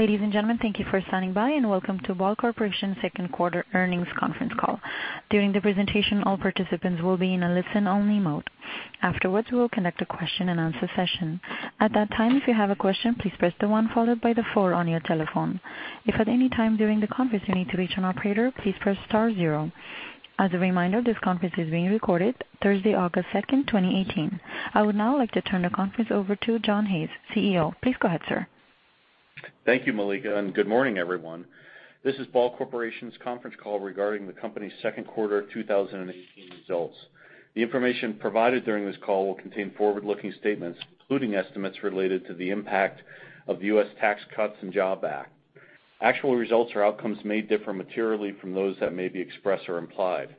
Ladies and gentlemen, thank you for standing by, and welcome to Ball Corporation's second quarter earnings conference call. During the presentation, all participants will be in a listen-only mode. Afterwards, we will conduct a question-and-answer session. At that time, if you have a question, please press the one followed by the four on your telephone. If at any time during the conference you need to reach an operator, please press star zero. As a reminder, this conference is being recorded Thursday, August 2nd, 2018. I would now like to turn the conference over to John Hayes, CEO. Please go ahead, sir. Thank you, Malika, and good morning, everyone. This is Ball Corporation's conference call regarding the company's second quarter 2018 results. The information provided during this call will contain forward-looking statements, including estimates related to the impact of the U.S. Tax Cuts and Jobs Act. Actual results or outcomes may differ materially from those that may be expressed or implied.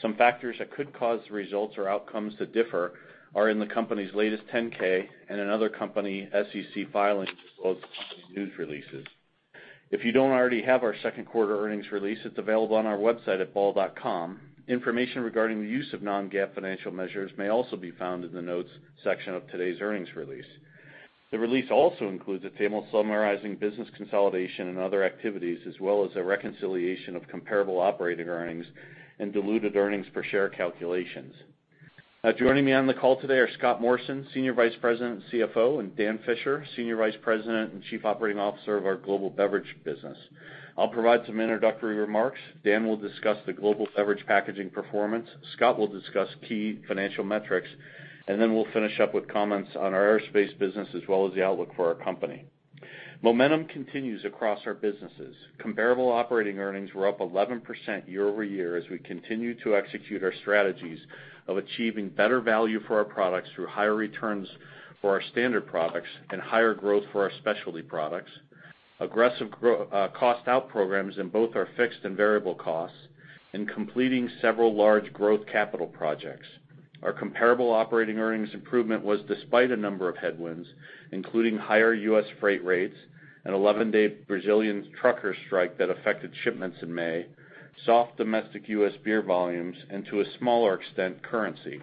Some factors that could cause the results or outcomes to differ are in the company's latest 10-K and in other company SEC filings, as well as the company's news releases. If you don't already have our second quarter earnings release, it's available on our website at ball.com. Information regarding the use of non-GAAP financial measures may also be found in the notes section of today's earnings release. The release also includes a table summarizing business consolidation and other activities, as well as a reconciliation of comparable operating earnings and diluted earnings per share calculations. Joining me on the call today are Scott Morrison, Senior Vice President and CFO, and Dan Fisher, Senior Vice President and Chief Operating Officer of our global beverage business. I'll provide some introductory remarks, Dan will discuss the global beverage packaging performance, Scott will discuss key financial metrics, and then we'll finish up with comments on our aerospace business as well as the outlook for our company. Momentum continues across our businesses. Comparable operating earnings were up 11% year-over-year as we continue to execute our strategies of achieving better value for our products through higher returns for our standard products and higher growth for our specialty products, aggressive cost-out programs in both our fixed and variable costs, and completing several large growth capital projects. Our comparable operating earnings improvement was despite a number of headwinds, including higher U.S. freight rates, an 11-day Brazilian trucker strike that affected shipments in May, soft domestic U.S. beer volumes, and to a smaller extent, currency.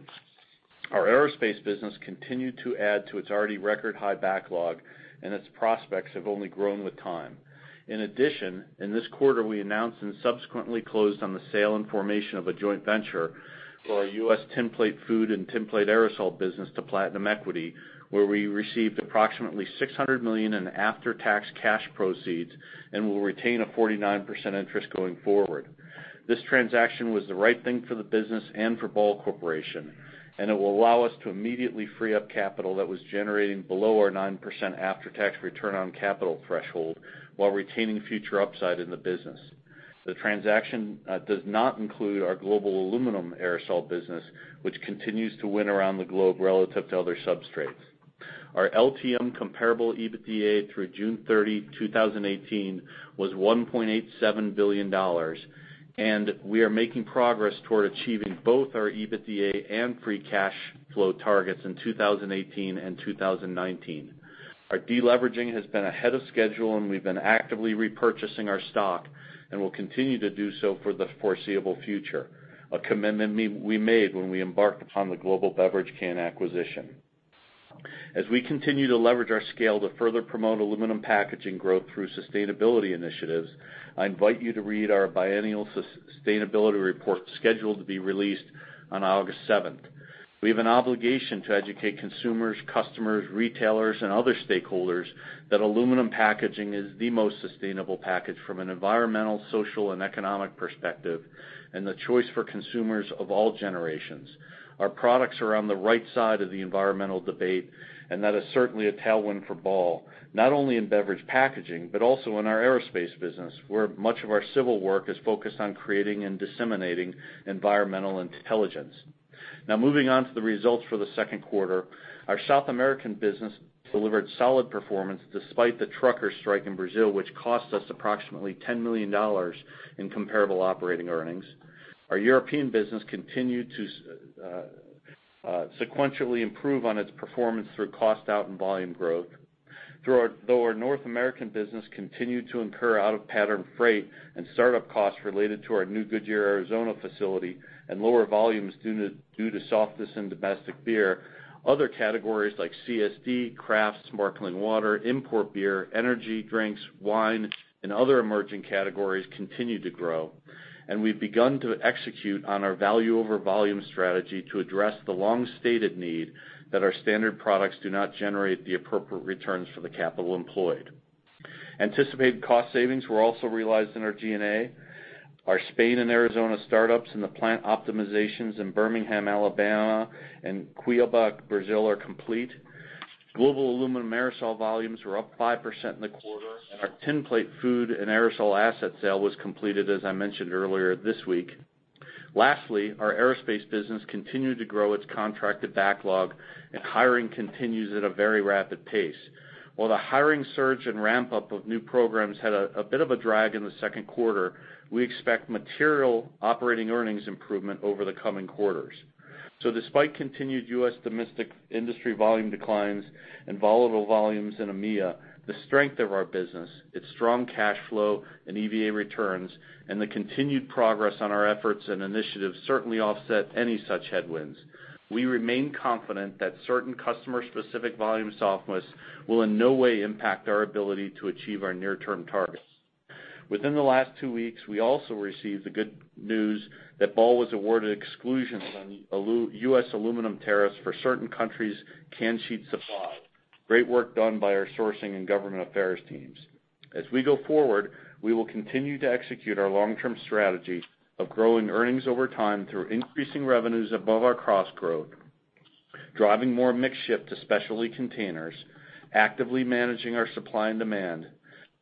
Our aerospace business continued to add to its already record-high backlog, and its prospects have only grown with time. In addition, in this quarter, we announced and subsequently closed on the sale and formation of a joint venture for our U.S. Tin Plate Food and Tin Plate Aerosol business to Platinum Equity, where we received approximately $600 million in after-tax cash proceeds and will retain a 49% interest going forward. This transaction was the right thing for the business and for Ball Corporation, and it will allow us to immediately free up capital that was generating below our 9% after-tax return on capital threshold while retaining future upside in the business. The transaction does not include our global aluminum aerosol business, which continues to win around the globe relative to other substrates. Our LTM comparable EBITDA through June 30, 2018, was $1.87 billion, and we are making progress toward achieving both our EBITDA and free cash flow targets in 2018 and 2019. Our deleveraging has been ahead of schedule, and we've been actively repurchasing our stock and will continue to do so for the foreseeable future, a commitment we made when we embarked upon the global beverage can acquisition. As we continue to leverage our scale to further promote aluminum packaging growth through sustainability initiatives, I invite you to read our biennial sustainability report scheduled to be released on August 7th. We have an obligation to educate consumers, customers, retailers, and other stakeholders that aluminum packaging is the most sustainable package from an environmental, social, and economic perspective, and the choice for consumers of all generations. Our products are on the right side of the environmental debate, and that is certainly a tailwind for Ball, not only in beverage packaging, but also in our aerospace business, where much of our civil work is focused on creating and disseminating environmental intelligence. Moving on to the results for the second quarter. Our South American business delivered solid performance despite the trucker strike in Brazil, which cost us approximately $10 million in comparable operating earnings. Our European business continued to sequentially improve on its performance through cost out and volume growth. Though our North American business continued to incur out-of-pattern freight and startup costs related to our new Goodyear, Arizona facility and lower volumes due to softness in domestic beer, other categories like CSD, crafts, sparkling water, import beer, energy drinks, wine, and other emerging categories continued to grow, and we've begun to execute on our value-over-volume strategy to address the long-stated need that our standard products do not generate the appropriate returns for the capital employed. Anticipated cost savings were also realized in our G&A. Our Spain and Arizona startups and the plant optimizations in Birmingham, Alabama, and Cuiabá, Brazil are complete. Global aluminum aerosol volumes were up 5% in the quarter, and our tin plate food and aerosol asset sale was completed, as I mentioned earlier, this week. Lastly, our aerospace business continued to grow its contracted backlog, and hiring continues at a very rapid pace. While the hiring surge and ramp-up of new programs had a bit of a drag in the second quarter, we expect material operating earnings improvement over the coming quarters. Despite continued U.S. domestic industry volume declines and volatile volumes in EMEA, the strength of our business, its strong cash flow and EVA returns, and the continued progress on our efforts and initiatives certainly offset any such headwinds. We remain confident that certain customer-specific volume softness will in no way impact our ability to achieve our near-term targets. Within the last two weeks, we also received the good news that Ball was awarded exclusions on U.S. aluminum tariffs for certain countries' can sheet supply. Great work done by our sourcing and government affairs teams. As we go forward, we will continue to execute our long-term strategy of growing earnings over time through increasing revenues above our cost growth, driving more mix shift to specialty containers, actively managing our supply and demand,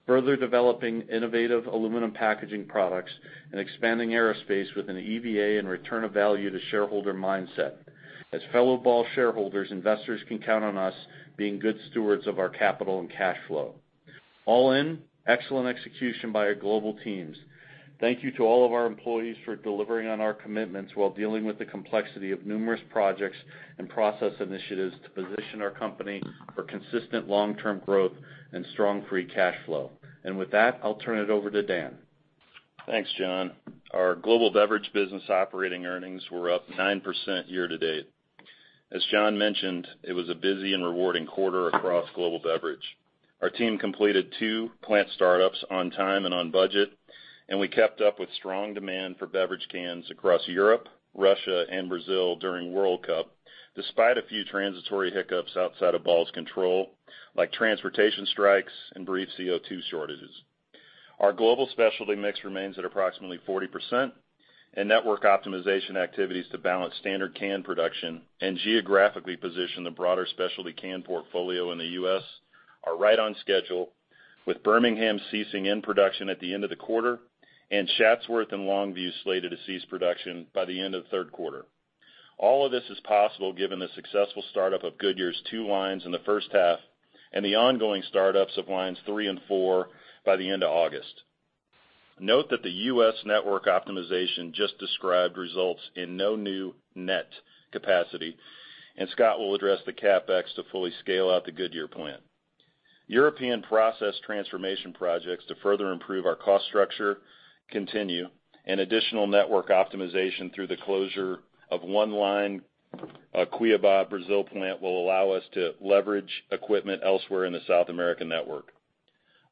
further developing innovative aluminum packaging products, and expanding aerospace with an EVA and return of value to shareholder mindset. As fellow Ball shareholders, investors can count on us being good stewards of our capital and cash flow. All in, excellent execution by our global teams. Thank you to all of our employees for delivering on our commitments while dealing with the complexity of numerous projects and process initiatives to position our company for consistent long-term growth and strong free cash flow. With that, I'll turn it over to Dan. Thanks, John. Our global beverage business operating earnings were up 9% year-to-date. As John mentioned, it was a busy and rewarding quarter across global beverage. Our team completed two plant startups on time and on budget. We kept up with strong demand for beverage cans across Europe, Russia, and Brazil during World Cup, despite a few transitory hiccups outside of Ball's control, like transportation strikes and brief CO2 shortages. Our global specialty mix remains at approximately 40%. Network optimization activities to balance standard can production and geographically position the broader specialty can portfolio in the U.S. are right on schedule with Birmingham ceasing in production at the end of the quarter, and Chatsworth and Longview slated to cease production by the end of the third quarter. All of this is possible given the successful startup of Goodyear's two lines in the first half and the ongoing startups of lines three and four by the end of August. Note that the U.S. network optimization just described results in no new net capacity. Scott will address the CapEx to fully scale out the Goodyear plant. European process transformation projects to further improve our cost structure continue. Additional network optimization through the closure of one line, our Cuiabá, Brazil plant, will allow us to leverage equipment elsewhere in the South American network.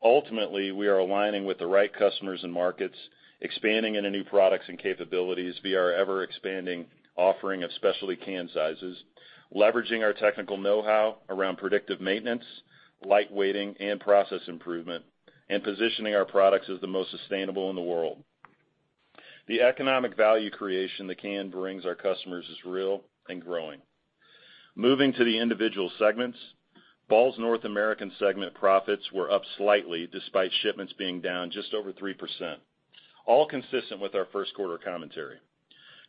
Ultimately, we are aligning with the right customers and markets, expanding into new products and capabilities via our ever-expanding offering of specialty can sizes, leveraging our technical know-how around predictive maintenance, light weighting, and process improvement, positioning our products as the most sustainable in the world. The economic value creation the can brings our customers is real and growing. Moving to the individual segments, Ball's North American segment profits were up slightly despite shipments being down just over 3%, all consistent with our first quarter commentary.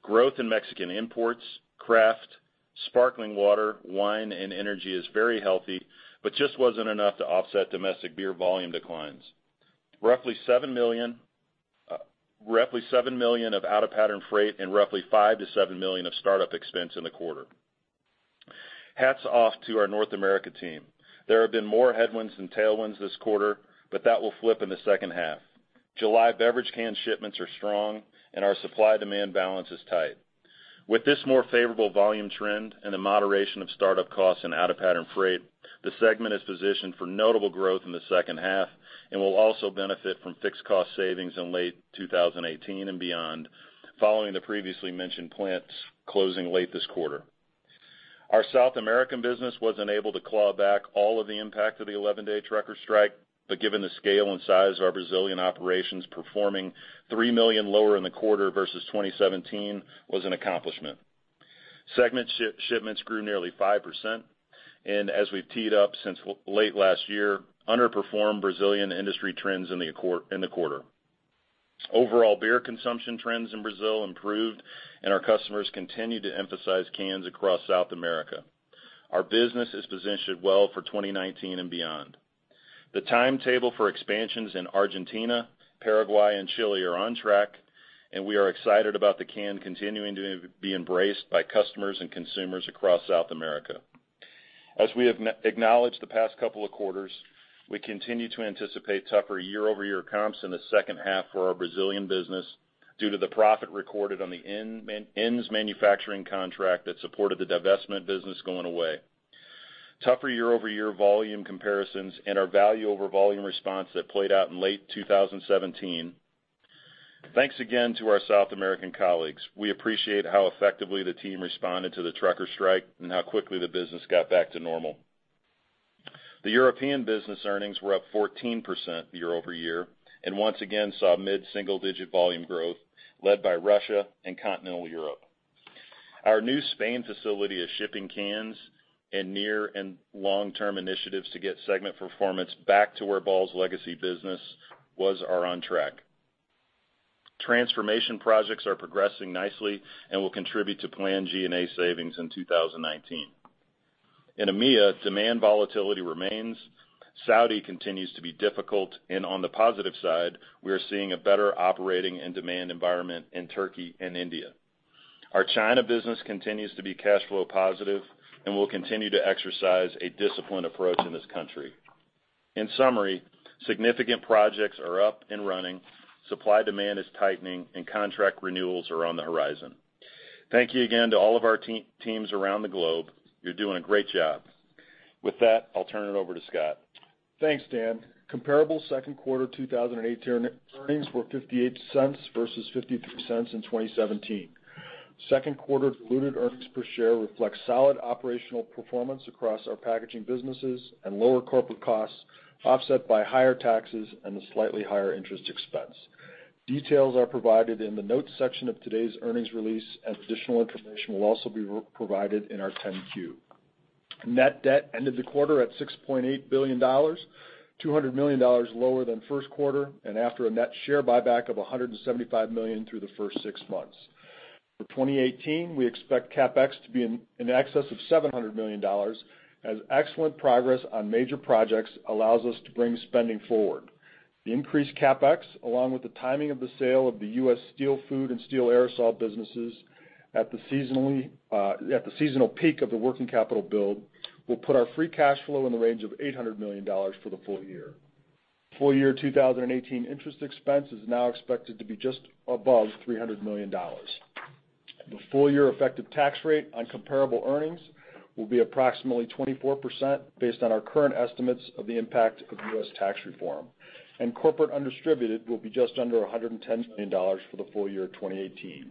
Growth in Mexican imports, craft, sparkling water, wine, and energy is very healthy, but just wasn't enough to offset domestic beer volume declines. Roughly $7 million of out-of-pattern freight and roughly $5 million-$7 million of startup expense in the quarter. Hats off to our North America team. There have been more headwinds than tailwinds this quarter, but that will flip in the second half. July beverage can shipments are strong, and our supply-demand balance is tight. With this more favorable volume trend and the moderation of startup costs and out-of-pattern freight, the segment is positioned for notable growth in the second half and will also benefit from fixed cost savings in late 2018 and beyond following the previously mentioned plants closing late this quarter. Our South American business wasn't able to claw back all of the impact of the 11-day trucker strike, but given the scale and size of our Brazilian operations, performing $3 million lower in the quarter versus 2017 was an accomplishment. Segment shipments grew nearly 5%, and as we've teed up since late last year, underperformed Brazilian industry trends in the quarter. Overall beer consumption trends in Brazil improved, and our customers continued to emphasize cans across South America. Our business is positioned well for 2019 and beyond. The timetable for expansions in Argentina, Paraguay, and Chile are on track, and we are excited about the can continuing to be embraced by customers and consumers across South America. As we have acknowledged the past couple of quarters, we continue to anticipate tougher year-over-year comps in the second half for our Brazilian business due to the profit recorded on the ends manufacturing contract that supported the divestment business going away. Tougher year-over-year volume comparisons and our value-over-volume response that played out in late 2017. Thanks again to our South American colleagues. We appreciate how effectively the team responded to the trucker strike and how quickly the business got back to normal. The European business earnings were up 14% year-over-year and once again saw mid-single-digit volume growth led by Russia and continental Europe. Our new Spain facility is shipping cans, and near and long-term initiatives to get segment performance back to where Ball's legacy business was are on track. Transformation projects are progressing nicely and will contribute to planned G&A savings in 2019. In EMEA, demand volatility remains. Saudi continues to be difficult, and on the positive side, we are seeing a better operating and demand environment in Turkey and India. Our China business continues to be cash flow positive and will continue to exercise a disciplined approach in this country. In summary, significant projects are up and running, supply-demand is tightening, and contract renewals are on the horizon. Thank you again to all of our teams around the globe. You're doing a great job. With that, I'll turn it over to Scott. Thanks, Dan. Comparable second quarter 2018 earnings were $0.58 versus $0.53 in 2017. Second quarter diluted earnings per share reflects solid operational performance across our packaging businesses and lower corporate costs, offset by higher taxes and a slightly higher interest expense. Details are provided in the notes section of today's earnings release, and additional information will also be provided in our 10-Q. Net debt ended the quarter at $6.8 billion, $200 million lower than first quarter, and after a net share buyback of $175 million through the first six months. For 2018, we expect CapEx to be in excess of $700 million, as excellent progress on major projects allows us to bring spending forward. The increased CapEx, along with the timing of the sale of the U.S. steel food and steel aerosol businesses at the seasonal peak of the working capital build, will put our free cash flow in the range of $800 million for the full year. Full year 2018 interest expense is now expected to be just above $300 million. The full-year effective tax rate on comparable earnings will be approximately 24%, based on our current estimates of the impact of U.S. Tax Reform. Corporate undistributed will be just under $110 million for the full year 2018.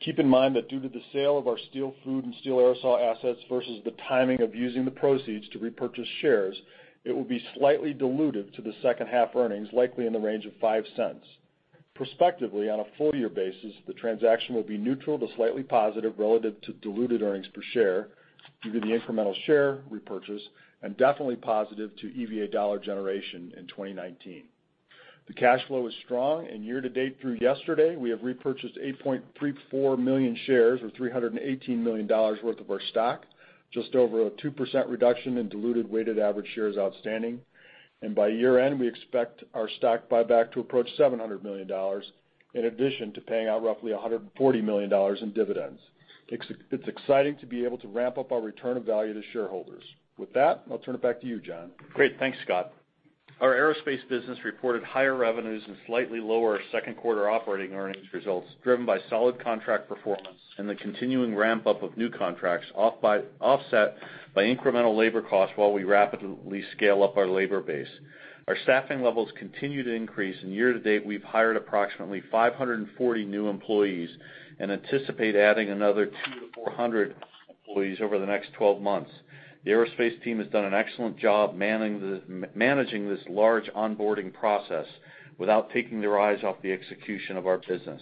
Keep in mind that due to the sale of our U.S. steel food and steel aerosol assets versus the timing of using the proceeds to repurchase shares, it will be slightly diluted to the second half earnings, likely in the range of $0.05. Prospectively, on a full-year basis, the transaction will be neutral to slightly positive relative to diluted earnings per share due to the incremental share repurchase and definitely positive to EVA dollar generation in 2019. Year to date through yesterday, we have repurchased 8.34 million shares, or $318 million worth of our stock. Just over a 2% reduction in diluted weighted average shares outstanding. By year end, we expect our stock buyback to approach $700 million, in addition to paying out roughly $140 million in dividends. It's exciting to be able to ramp up our return of value to shareholders. With that, I'll turn it back to you, John. Great. Thanks, Scott. Our aerospace business reported higher revenues and slightly lower second quarter operating earnings results, driven by solid contract performance and the continuing ramp-up of new contracts, offset by incremental labor costs, while we rapidly scale up our labor base. Our staffing levels continue to increase. Year to date, we've hired approximately 540 new employees and anticipate adding another 2 to 400 employees over the next 12 months. The aerospace team has done an excellent job managing this large onboarding process without taking their eyes off the execution of our business.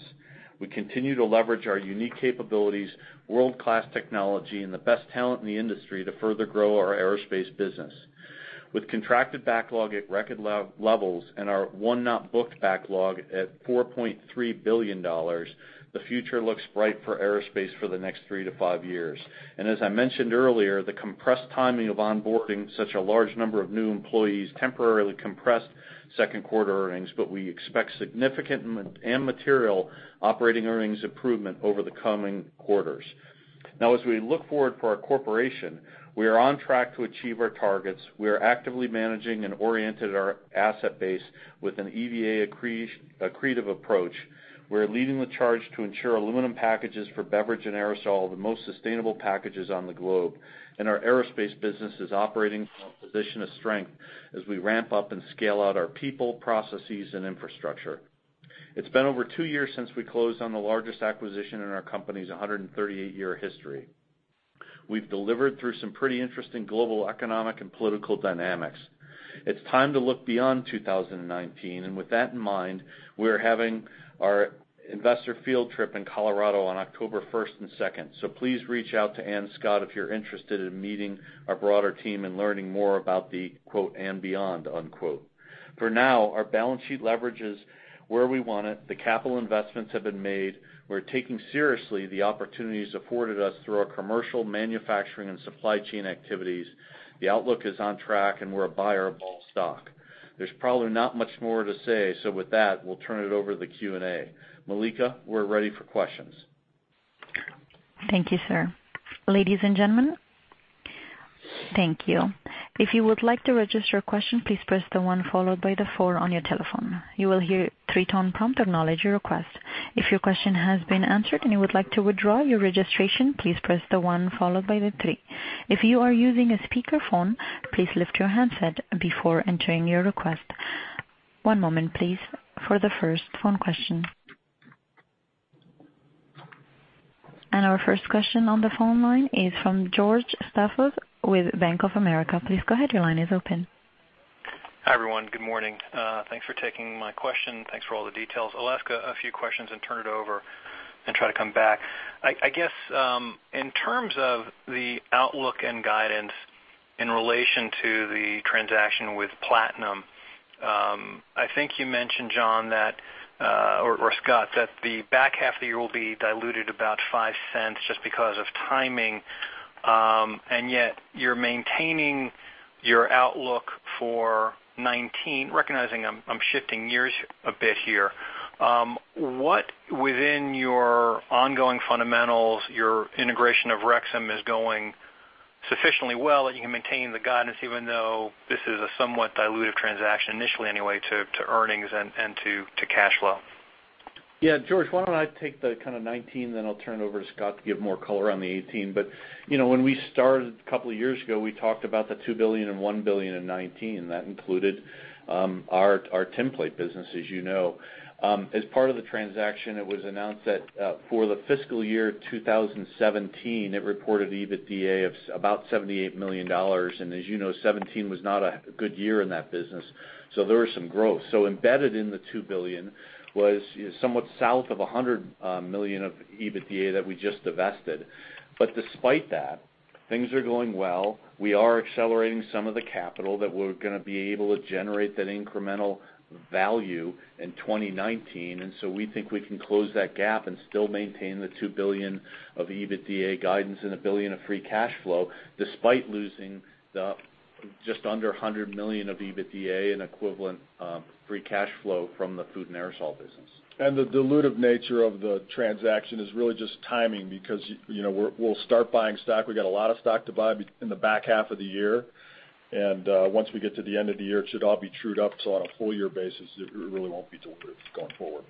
We continue to leverage our unique capabilities, world-class technology, and the best talent in the industry to further grow our aerospace business. With contracted backlog at record levels and our won not booked backlog at $4.3 billion, the future looks bright for aerospace for the next three to five years. As I mentioned earlier, the compressed timing of onboarding such a large number of new employees temporarily compressed second quarter earnings. We expect significant and material operating earnings improvement over the coming quarters. Now as we look forward for our corporation, we are on track to achieve our targets. We are actively managing and oriented our asset base with an EVA accretive approach. We're leading the charge to ensure aluminum packages for beverage and aerosol are the most sustainable packages on the globe. Our aerospace business is operating from a position of strength as we ramp up and scale out our people, processes, and infrastructure. It's been over two years since we closed on the largest acquisition in our company's 138-year history. We've delivered through some pretty interesting global, economic, and political dynamics. It's time to look beyond 2019. With that in mind, we're having our investor field trip in Colorado on October 1st and 2nd. Please reach out to Ann Scott if you're interested in meeting our broader team and learning more about the, quote, "and beyond," unquote. For now, our balance sheet leverage is where we want it. The capital investments have been made. We're taking seriously the opportunities afforded us through our commercial manufacturing and supply chain activities. The outlook is on track, and we're a buyer of Ball stock. There's probably not much more to say. With that, we'll turn it over to the Q&A. Malika, we're ready for questions. Thank you, sir. Ladies and gentlemen. Thank you. If you would like to register a question, please press the one followed by the four on your telephone. You will hear a three-tone prompt acknowledge your request. If your question has been answered and you would like to withdraw your registration, please press the one followed by the three. If you are using a speakerphone, please lift your handset before entering your request. One moment please for the first phone question. Our first question on the phone line is from George Staphos with Bank of America. Please go ahead, your line is open. Hi, everyone. Good morning. Thanks for taking my question. Thanks for all the details. I'll ask a few questions and turn it over and try to come back. I guess, in terms of the outlook and guidance in relation to the transaction with Platinum, I think you mentioned, John, or Scott, that the back half of the year will be diluted about $0.05 just because of timing. Yet you're maintaining your outlook for 2019. Recognizing I'm shifting years a bit here. What within your ongoing fundamentals, your integration of Rexam is going sufficiently well that you can maintain the guidance even though this is a somewhat dilutive transaction initially anyway to earnings and to cash flow. Yeah, George, why don't I take the kind of 2019 then I'll turn it over to Scott to give more color on the 2018. When we started a couple of years ago, we talked about the $2 billion and $1 billion in 2019. That included our tinplate business, as you know. As part of the transaction, it was announced that for the fiscal year 2017, it reported EBITDA of about $78 million. As you know, 2017 was not a good year in that business, so there was some growth. Embedded in the $2 billion was somewhat south of $100 million of EBITDA that we just divested. Despite that, things are going well. We are accelerating some of the capital that we're going to be able to generate that incremental value in 2019. We think we can close that gap and still maintain the $2 billion of EBITDA guidance and $1 billion of free cash flow despite losing the just under $100 million of EBITDA and equivalent free cash flow from the food and aerosol business. The dilutive nature of the transaction is really just timing because we'll start buying stock. We've got a lot of stock to buy in the back half of the year. Once we get to the end of the year, it should all be trued up. On a full-year basis, it really won't be dilutive going forward.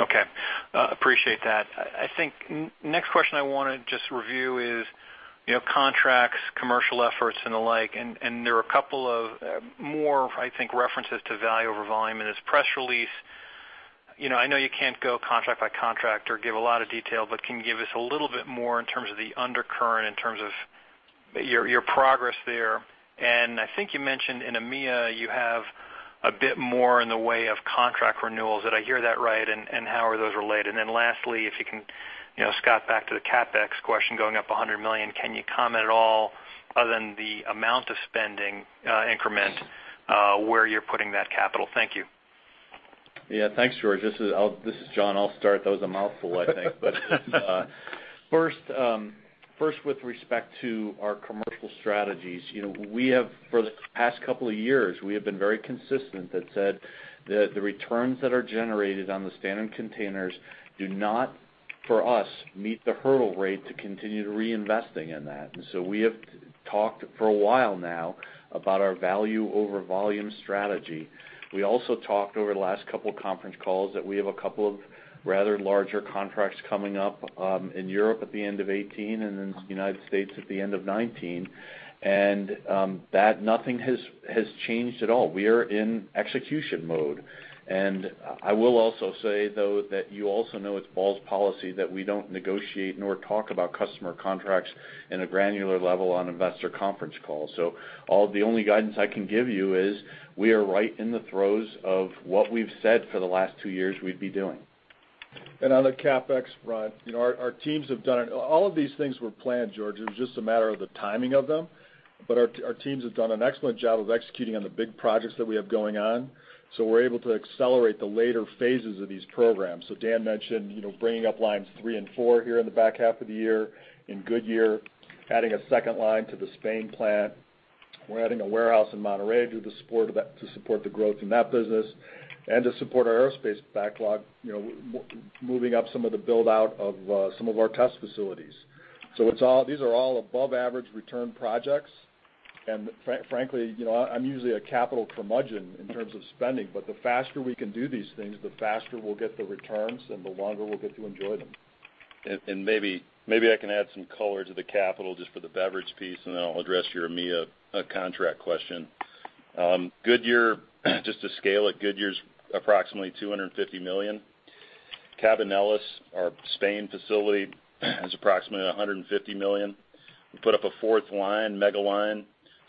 Okay. Appreciate that. I think next question I want to just review is contracts, commercial efforts, and the like. There are a couple of more, I think, references to value over volume in this press release. I know you can't go contract by contract or give a lot of detail, but can you give us a little bit more in terms of the undercurrent in terms of your progress there? I think you mentioned in EMEA, you have a bit more in the way of contract renewals. Did I hear that right? How are those related? Lastly, if you can, Scott, back to the CapEx question, going up $100 million. Can you comment at all, other than the amount of spending increment, where you're putting that capital? Thank you. Yeah. Thanks, George. This is John. I'll start. That was a mouthful, I think. First, with respect to our commercial strategies, for the past couple of years, we have been very consistent that said that the returns that are generated on the standard containers do not, for us, meet the hurdle rate to continue reinvesting in that. We have talked for a while now about our value over volume strategy. We also talked over the last couple conference calls that we have a couple of rather larger contracts coming up in Europe at the end of 2018 and in the United States at the end of 2019. Nothing has changed at all. We are in execution mode. I will also say, though, that you also know it's Ball's policy that we don't negotiate nor talk about customer contracts in a granular level on investor conference calls. The only guidance I can give you is we are right in the throes of what we've said for the last two years we'd be doing. On the CapEx front, all of these things were planned, George. It was just a matter of the timing of them. Our teams have done an excellent job of executing on the big projects that we have going on, so we're able to accelerate the later phases of these programs. Dan mentioned bringing up lines 3 and 4 here in the back half of the year in Goodyear, adding a second line to the Spain plant. We're adding a warehouse in Monterrey to support the growth in that business and to support our aerospace backlog, moving up some of the build-out of some of our test facilities. These are all above-average return projects. Frankly, I'm usually a capital curmudgeon in terms of spending. The faster we can do these things, the faster we'll get the returns, the longer we'll get to enjoy them. Maybe I can add some color to the capital just for the beverage piece, then I'll address your EMEA contract question. Just to scale it, Goodyear's approximately $250 million. Cabanillas, our Spain facility, is approximately $150 million. We put up a fourth line, mega line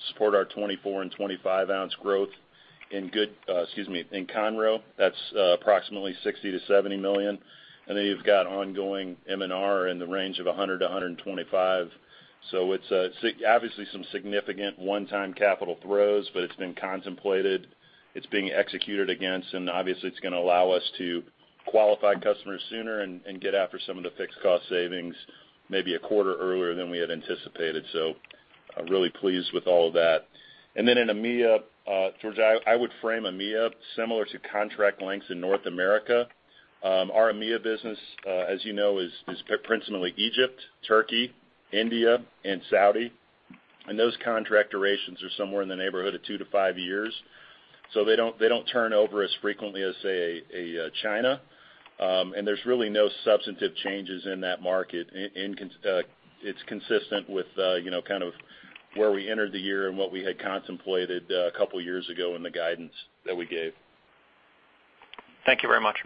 to support our 24 and 25-ounce growth in Conroe. That's approximately $60 million-$70 million. You've got ongoing M&R in the range of $100 million-$125 million. It's obviously some significant one-time capital throws, but it's been contemplated. It's being executed against, obviously, it's going to allow us to qualify customers sooner and get after some of the fixed cost savings maybe a quarter earlier than we had anticipated. I'm really pleased with all of that. In EMEA, George, I would frame EMEA similar to contract lengths in North America. Our EMEA business, as you know, is principally Egypt, Turkey, India, and Saudi. Those contract durations are somewhere in the neighborhood of two to five years. They don't turn over as frequently as, say, China. There's really no substantive changes in that market. It's consistent with where we entered the year and what we had contemplated a couple of years ago in the guidance that we gave. Thank you very much.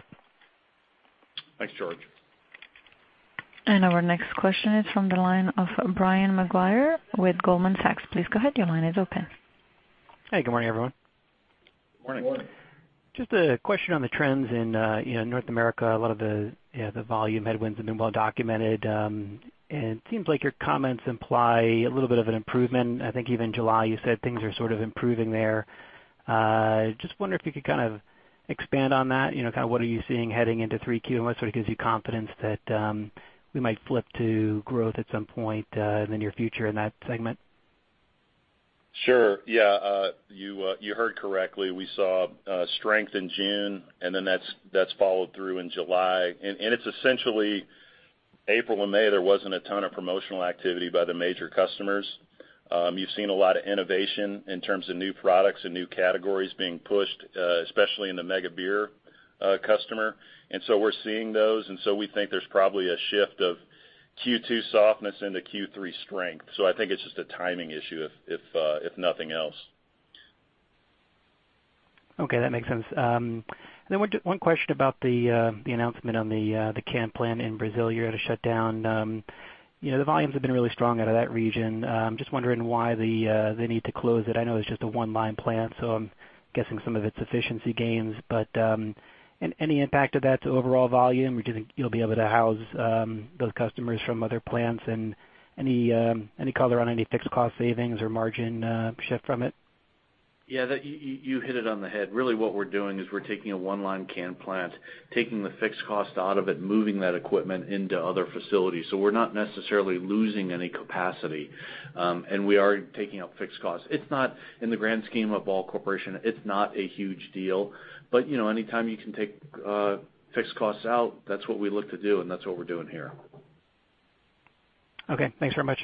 Thanks, George. Our next question is from the line of Brian Maguire with Goldman Sachs. Please go ahead. Your line is open. Hey, good morning, everyone. Morning. Morning. Just a question on the trends in North America. A lot of the volume headwinds have been well documented. It seems like your comments imply a little bit of an improvement. I think even July, you said things are sort of improving there. Just wonder if you could expand on that. What are you seeing heading into 3Q, and what gives you confidence that we might flip to growth at some point in the near future in that segment? Sure. Yeah, you heard correctly. We saw strength in June, then that's followed through in July. It's essentially April and May, there wasn't a ton of promotional activity by the major customers. You've seen a lot of innovation in terms of new products and new categories being pushed, especially in the mega beer customer. We're seeing those, we think there's probably a shift of Q2 softness into Q3 strength. I think it's just a timing issue, if nothing else. Okay, that makes sense. One question about the announcement on the can plant in Brazil you had to shut down. The volumes have been really strong out of that region. I'm just wondering why they need to close it. I know it's just a one-line plant, so I'm guessing some of it's efficiency gains, but any impact of that to overall volume? Do you think you'll be able to house those customers from other plants? Any color on any fixed cost savings or margin shift from it? Yeah, you hit it on the head. Really what we're doing is we're taking a one-line can plant, taking the fixed cost out of it, and moving that equipment into other facilities. We're not necessarily losing any capacity. We are taking out fixed costs. In the grand scheme of Ball Corporation, it's not a huge deal. Anytime you can take fixed costs out, that's what we look to do, and that's what we're doing here. Okay, thanks very much.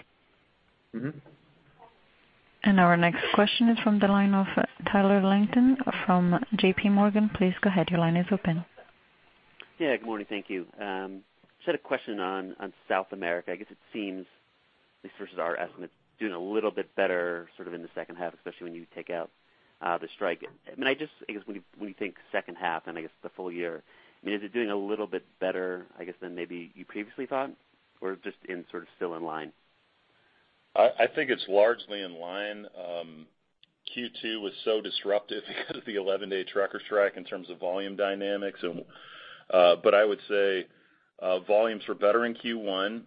Our next question is from the line of Tyler Langton from J.P. Morgan. Please go ahead. Your line is open. Good morning. Thank you. Just had a question on South America. I guess it seems, at least versus our estimate, doing a little bit better sort of in the second half, especially when you take out the strike. I guess when you think second half and I guess the full year, is it doing a little bit better, I guess, than maybe you previously thought? Just in sort of still in line? I think it's largely in line. Q2 was so disruptive because of the 11-day truckers strike in terms of volume dynamics. I would say volumes were better in Q1.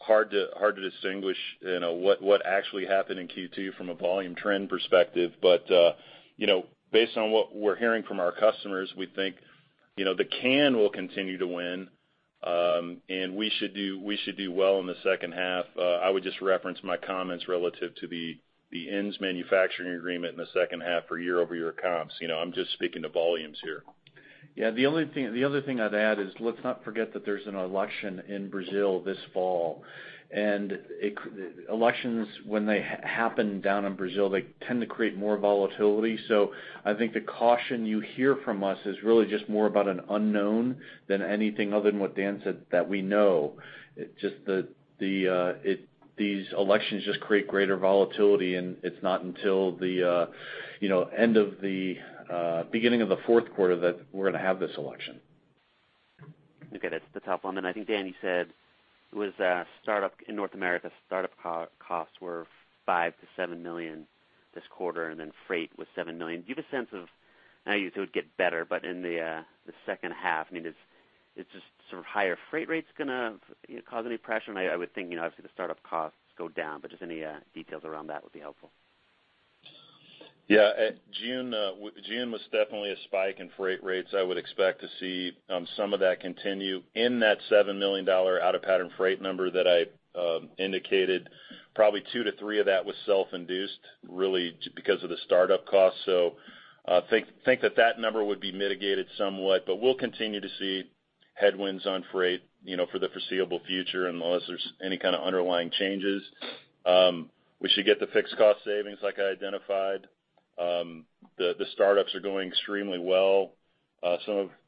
Hard to distinguish what actually happened in Q2 from a volume trend perspective. Based on what we're hearing from our customers, we think the can will continue to win, and we should do well in the second half. I would just reference my comments relative to the ends manufacturing agreement in the second half for year-over-year comps. I'm just speaking to volumes here. The other thing I'd add is let's not forget that there's an election in Brazil this fall. Elections, when they happen down in Brazil, they tend to create more volatility. I think the caution you hear from us is really just more about an unknown than anything other than what Dan said that we know. These elections just create greater volatility, and it's not until the beginning of the fourth quarter that we're going to have this election. That's the top one. I think, Dan, you said in North America, startup costs were $5 million-$7 million this quarter, and freight was $7 million. Do you have a sense of, I know you said it would get better, but in the second half, is just sort of higher freight rates going to cause any pressure? I would think obviously the startup costs go down, but just any details around that would be helpful. June was definitely a spike in freight rates. I would expect to see some of that continue. In that $7 million out-of-pattern freight number that I indicated, probably two to three of that was self-induced, really because of the startup cost. Think that number would be mitigated somewhat, but we'll continue to see headwinds on freight for the foreseeable future, unless there's any kind of underlying changes. We should get the fixed cost savings like I identified. The startups are going extremely well.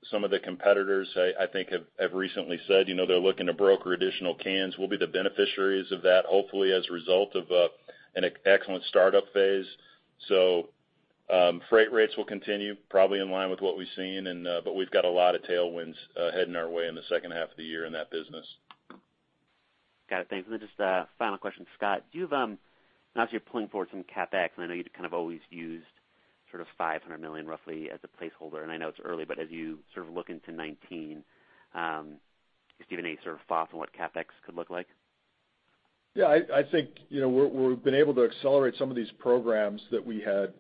Some of the competitors, I think, have recently said they're looking to broker additional cans. We'll be the beneficiaries of that, hopefully as a result of an excellent startup phase. Freight rates will continue probably in line with what we've seen, but we've got a lot of tailwinds heading our way in the second half of the year in that business. Got it. Thanks. Then just a final question, Scott. I know you're pulling forward some CapEx, and I know you kind of always used sort of $500 million roughly as a placeholder, and I know it's early, but as you sort of look into 2019, do you have any sort of thought on what CapEx could look like? I think we've been able to accelerate some of these programs that we had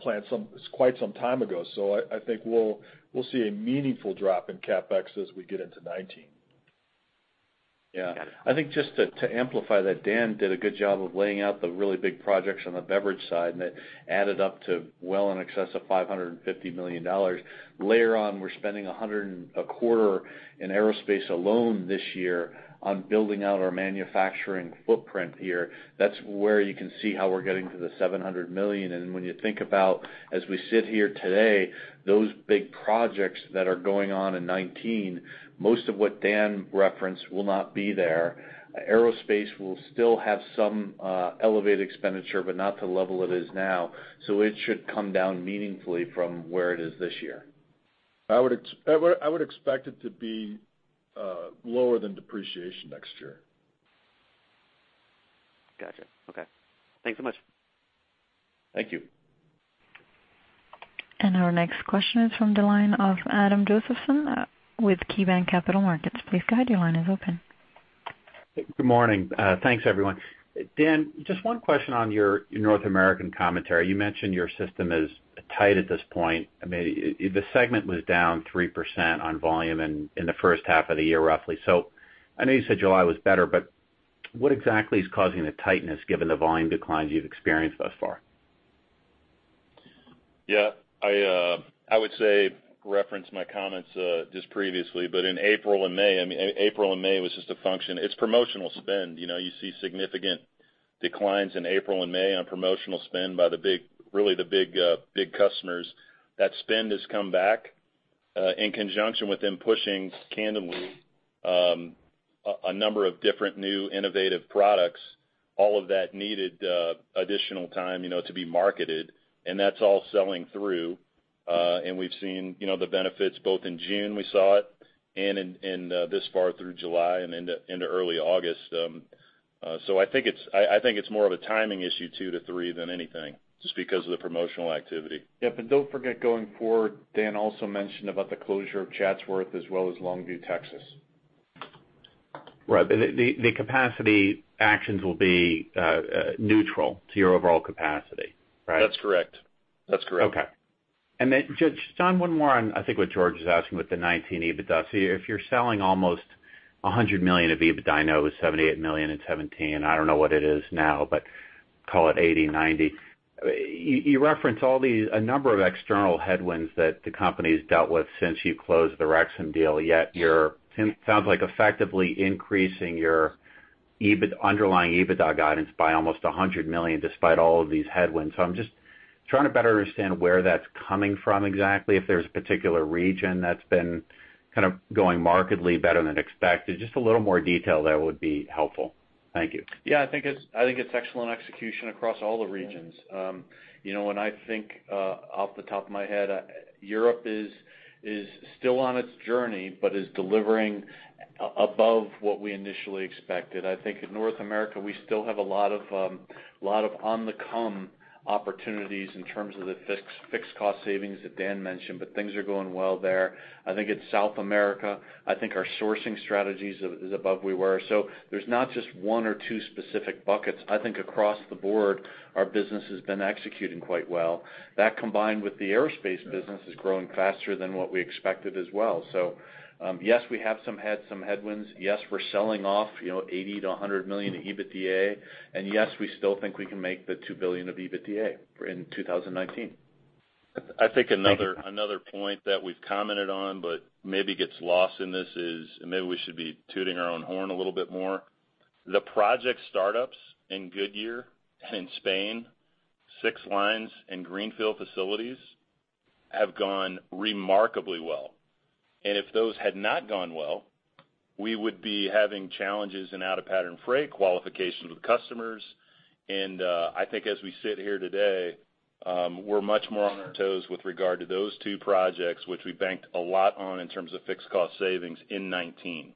planned quite some time ago. I think we'll see a meaningful drop in CapEx as we get into 2019. I think just to amplify that, Dan did a good job of laying out the really big projects on the beverage side, and that added up to well in excess of $550 million. Later on, we're spending $100 and a quarter in aerospace alone this year on building out our manufacturing footprint here. That's where you can see how we're getting to the $700 million. When you think about, as we sit here today, those big projects that are going on in 2019, most of what Dan referenced will not be there. Aerospace will still have some elevated expenditure, but not to the level it is now. It should come down meaningfully from where it is this year. I would expect it to be lower than depreciation next year. Gotcha. Okay. Thanks so much. Thank you. Our next question is from the line of Adam Josephson with KeyBanc Capital Markets. Please go ahead. Your line is open. Good morning. Thanks, everyone. Dan, just one question on your North American commentary. You mentioned your system is tight at this point. The segment was down 3% on volume in the first half of the year, roughly. I know you said July was better, but what exactly is causing the tightness given the volume declines you've experienced thus far? Yeah. I would say, reference my comments just previously, in April and May, it was just a function. It's promotional spend. You see significant declines in April and May on promotional spend by really the big customers. That spend has come back, in conjunction with them pushing can a number of different new innovative products. All of that needed additional time to be marketed, and that's all selling through. We've seen the benefits both in June, we saw it, and this far through July and into early August. I think it's more of a timing issue, two to three than anything, just because of the promotional activity. Yeah. Don't forget going forward, Dan also mentioned about the closure of Chatsworth as well as Longview, Texas. Right. The capacity actions will be neutral to your overall capacity, right? That's correct. Okay. Just, John, one more on, I think what George is asking with the 2019 EBITDA. If you're selling almost $100 million of EBITDA, I know it was $78 million in 2017. I don't know what it is now, but call it $80 million, $90 million. You reference a number of external headwinds that the company's dealt with since you closed the Rexam deal, sounds like effectively increasing your underlying EBITDA guidance by almost $100 million, despite all of these headwinds. I'm just trying to better understand where that's coming from exactly. If there's a particular region that's been kind of going markedly better than expected. Just a little more detail there would be helpful. Thank you. I think it's excellent execution across all the regions. When I think, off the top of my head, Europe is still on its journey, but is delivering above what we initially expected. I think in North America, we still have a lot of on the come opportunities in terms of the fixed cost savings that Dan mentioned, but things are going well there. I think in South America, I think our sourcing strategies is above we were. There's not just one or two specific buckets. I think across the board, our business has been executing quite well. That combined with the aerospace business is growing faster than what we expected as well. Yes, we have some headwinds. Yes, we're selling off $80 million to $100 million in EBITDA. Yes, we still think we can make the $2 billion of EBITDA in 2019. I think another point that we've commented on but maybe gets lost in this is, maybe we should be tooting our own horn a little bit more. The project startups in Goodyear and Spain, six lines in greenfield facilities, have gone remarkably well. If those had not gone well, we would be having challenges in out-of-pattern freight qualifications with customers. I think as we sit here today, we're much more on our toes with regard to those two projects, which we banked a lot on in terms of fixed cost savings in 2019.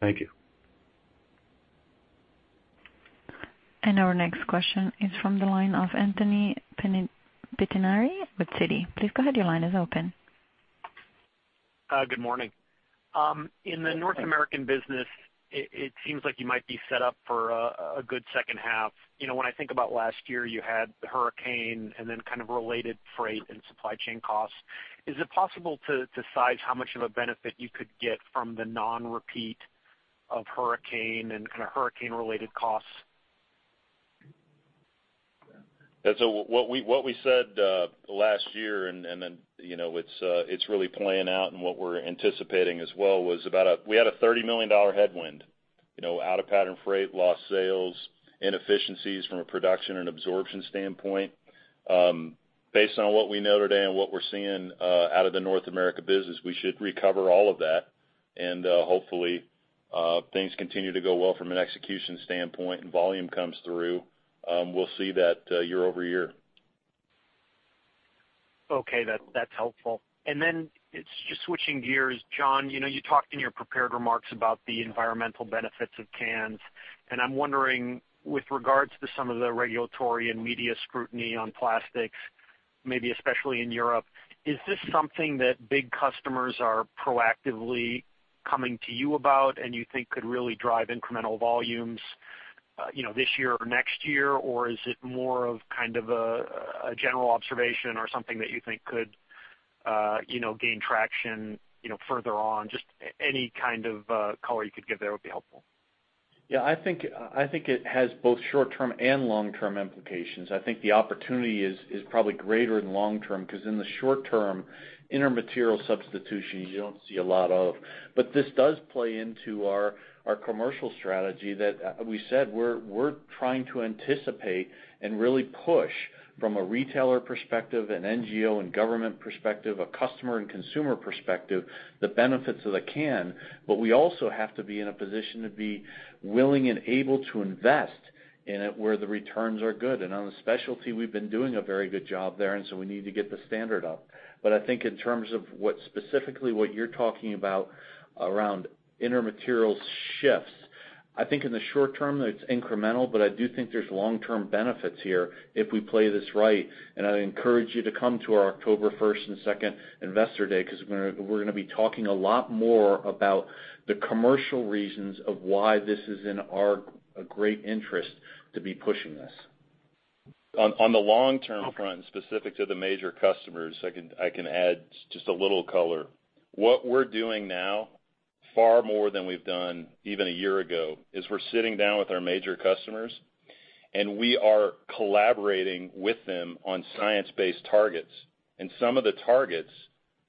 Thank you. Our next question is from the line of Anthony Pettinari with Citi. Please go ahead. Your line is open. Good morning. In the North American business, it seems like you might be set up for a good second half. When I think about last year, you had the hurricane, and then kind of related freight and supply chain costs. Is it possible to decide how much of a benefit you could get from the non-repeat of hurricane and kind of hurricane related costs? What we said, last year and then it's really playing out and what we're anticipating as well was We had a $30 million headwind, out-of-pattern freight, lost sales, inefficiencies from a production and absorption standpoint. Based on what we know today and what we're seeing out of the North America business, we should recover all of that, and hopefully, things continue to go well from an execution standpoint and volume comes through. We'll see that year-over-year. Okay. That's helpful. Just switching gears. John, you talked in your prepared remarks about the environmental benefits of cans, and I'm wondering with regards to some of the regulatory and media scrutiny on plastics, maybe especially in Europe, is this something that big customers are proactively coming to you about and you think could really drive incremental volumes this year or next year? Or is it more of kind of a general observation or something that you think could gain traction further on? Just any kind of color you could give there would be helpful. Yeah, I think it has both short-term and long-term implications. I think the opportunity is probably greater in long-term, because in the short term, intermaterial substitution, you don't see a lot of. This does play into our commercial strategy that we said we're trying to anticipate and really push from a retailer perspective, an NGO and government perspective, a customer and consumer perspective, the benefits of the can. We also have to be in a position to be willing and able to invest in it where the returns are good. On the specialty, we've been doing a very good job there, we need to get the standard up. I think in terms of what specifically what you're talking about around intermaterial shifts, I think in the short term, that it's incremental, but I do think there's long-term benefits here if we play this right. I encourage you to come to our October 1st and 2nd investor day, because we're going to be talking a lot more about the commercial reasons of why this is in our great interest to be pushing this. On the long-term front, specific to the major customers, I can add just a little color. What we're doing now, far more than we've done even a year ago, is we're sitting down with our major customers, and we are collaborating with them on science-based targets. Some of the targets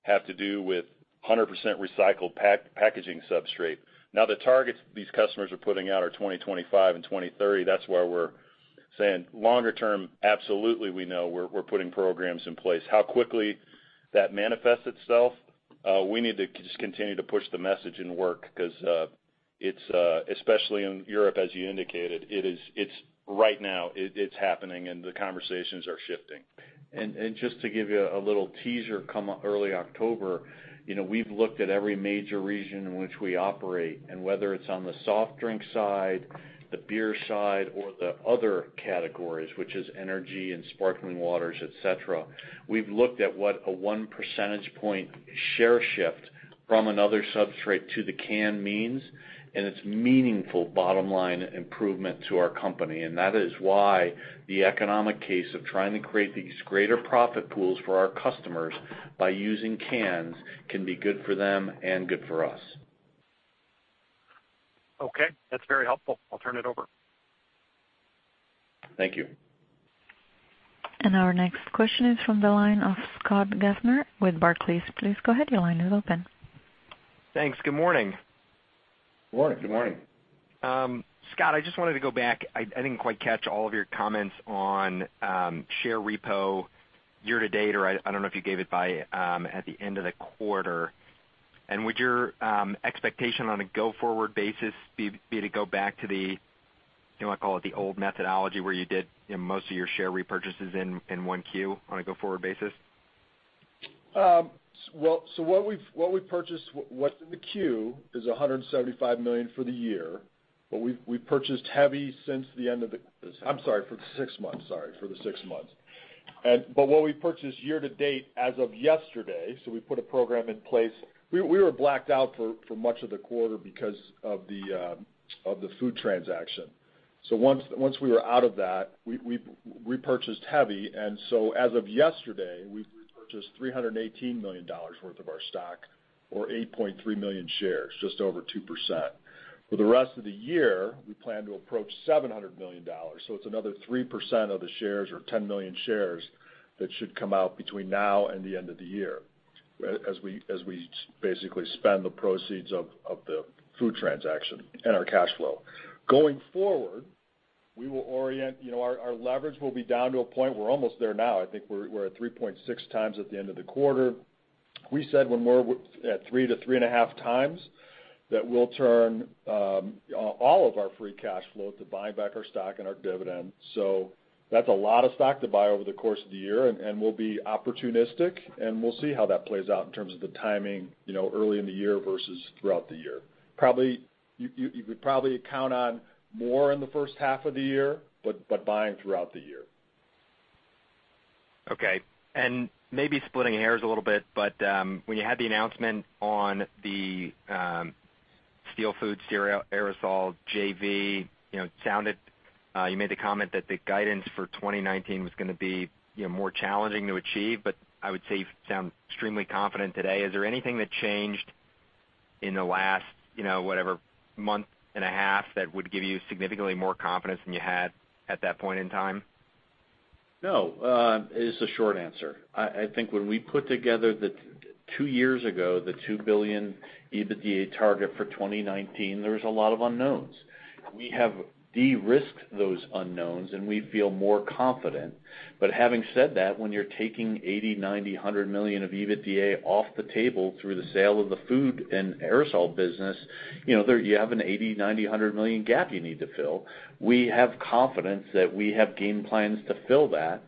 have to do with 100% recycled packaging substrate. The targets these customers are putting out are 2025 and 2030. That's why we're saying longer term, absolutely we know. We're putting programs in place. How quickly that manifests itself, we need to just continue to push the message and work, because, especially in Europe, as you indicated, right now it's happening, and the conversations are shifting. Just to give you a little teaser come early October, we've looked at every major region in which we operate, and whether it's on the soft drink side, the beer side, or the other categories, which is energy and sparkling waters, et cetera, we've looked at what a one percentage point share shift from another substrate to the can means, and it's meaningful bottom-line improvement to our company. That is why the economic case of trying to create these greater profit pools for our customers by using cans can be good for them and good for us. Okay. That's very helpful. I'll turn it over. Thank you. Our next question is from the line of Scott Gaffner with Barclays. Please go ahead. Your line is open. Thanks. Good morning. Good morning. Good morning. Scott, I just wanted to go back. I didn't quite catch all of your comments on share repo year to date, or I don't know if you gave it by at the end of the quarter. Would your expectation on a go-forward basis be to go back to the, you want to call it, the old methodology where you did most of your share repurchases in one Q on a go-forward basis? What we've purchased, what's in the Q is $175 million for the year. We've purchased heavy since the end of the— I'm sorry, for the six months. Sorry, for the six months. What we purchased year to date as of yesterday, we put a program in place. We were blacked out for much of the quarter because of the food transaction. Once we were out of that, we repurchased heavy. As of yesterday, we've repurchased $318 million worth of our stock, or 8.3 million shares, just over 2%. For the rest of the year, we plan to approach $700 million. It's another 3% of the shares or 10 million shares that should come out between now and the end of the year, as we basically spend the proceeds of the food transaction and our cash flow. Going forward, our leverage will be down to a point. We're almost there now. I think we're at 3.6 times at the end of the quarter. We said when we're at three to three and a half times, that we'll turn all of our free cash flow to buying back our stock and our dividend. That's a lot of stock to buy over the course of the year, and we'll be opportunistic, and we'll see how that plays out in terms of the timing early in the year versus throughout the year. You could probably count on more in the first half of the year, but buying throughout the year. Okay. Maybe splitting hairs a little bit, when you had the announcement on the Steel Food Aerosol JV, you made the comment that the guidance for 2019 was going to be more challenging to achieve, I would say you sound extremely confident today. Is there anything that changed in the last whatever, month and a half, that would give you significantly more confidence than you had at that point in time? No, is the short answer. I think when we put together two years ago the $2 billion EBITDA target for 2019, there was a lot of unknowns. We have de-risked those unknowns, and we feel more confident. Having said that, when you're taking $80, $90, $100 million of EBITDA off the table through the sale of the food and aerosol business, you have an $80, $90, $100 million gap you need to fill. We have confidence that we have game plans to fill that,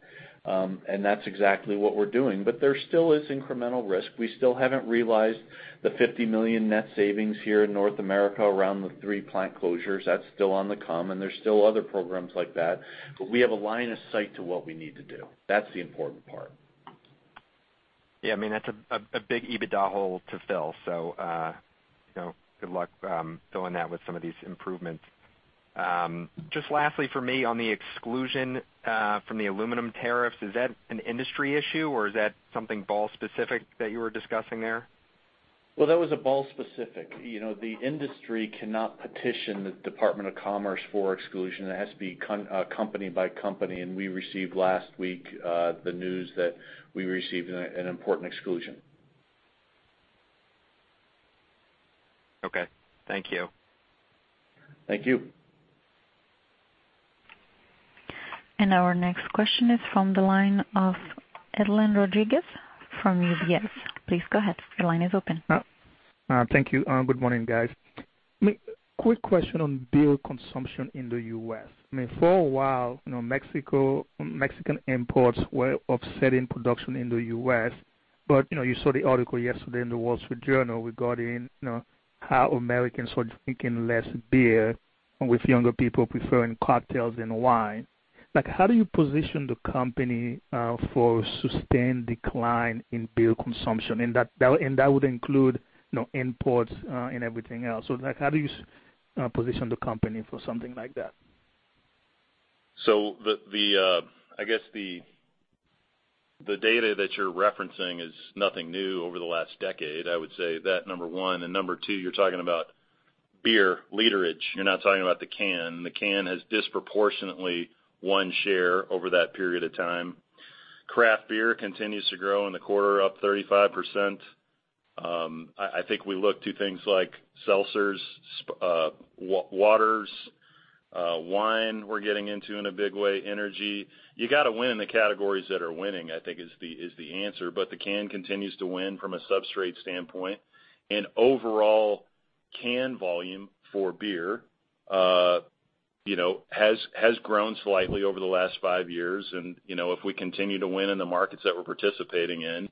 and that's exactly what we're doing. There still is incremental risk. We still haven't realized the $50 million net savings here in North America around the three plant closures. That's still on the come, and there's still other programs like that, we have a line of sight to what we need to do. That's the important part. Yeah, that's a big EBITDA hole to fill. Good luck filling that with some of these improvements. Just lastly from me on the exclusion from the aluminum tariffs, is that an industry issue, or is that something Ball specific that you were discussing there? Well, that was a Ball specific. The industry cannot petition the Department of Commerce for exclusion. It has to be company by company, we received last week the news that we received an important exclusion. Okay. Thank you. Thank you. Our next question is from the line of Edlain Rodriguez from UBS. Please go ahead. Your line is open. Thank you. Good morning, guys. Quick question on beer consumption in the U.S. For a while, Mexican imports were offsetting production in the U.S. You saw the article yesterday in The Wall Street Journal regarding how Americans are drinking less beer, with younger people preferring cocktails and wine. How do you position the company for sustained decline in beer consumption? That would include imports and everything else. How do you position the company for something like that. I guess the data that you're referencing is nothing new over the last decade, I would say that one and two, you're talking about beer literage, you're not talking about the can. The can has disproportionately won share over that period of time. Craft beer continues to grow in the quarter, up 35%. I think we look to things like seltzers, waters, wine we're getting into in a big way, energy. You got to win in the categories that are winning, I think is the answer. The can continues to win from a substrate standpoint. Overall can volume for beer has grown slightly over the last five years, and if we continue to win in the markets that we're participating in,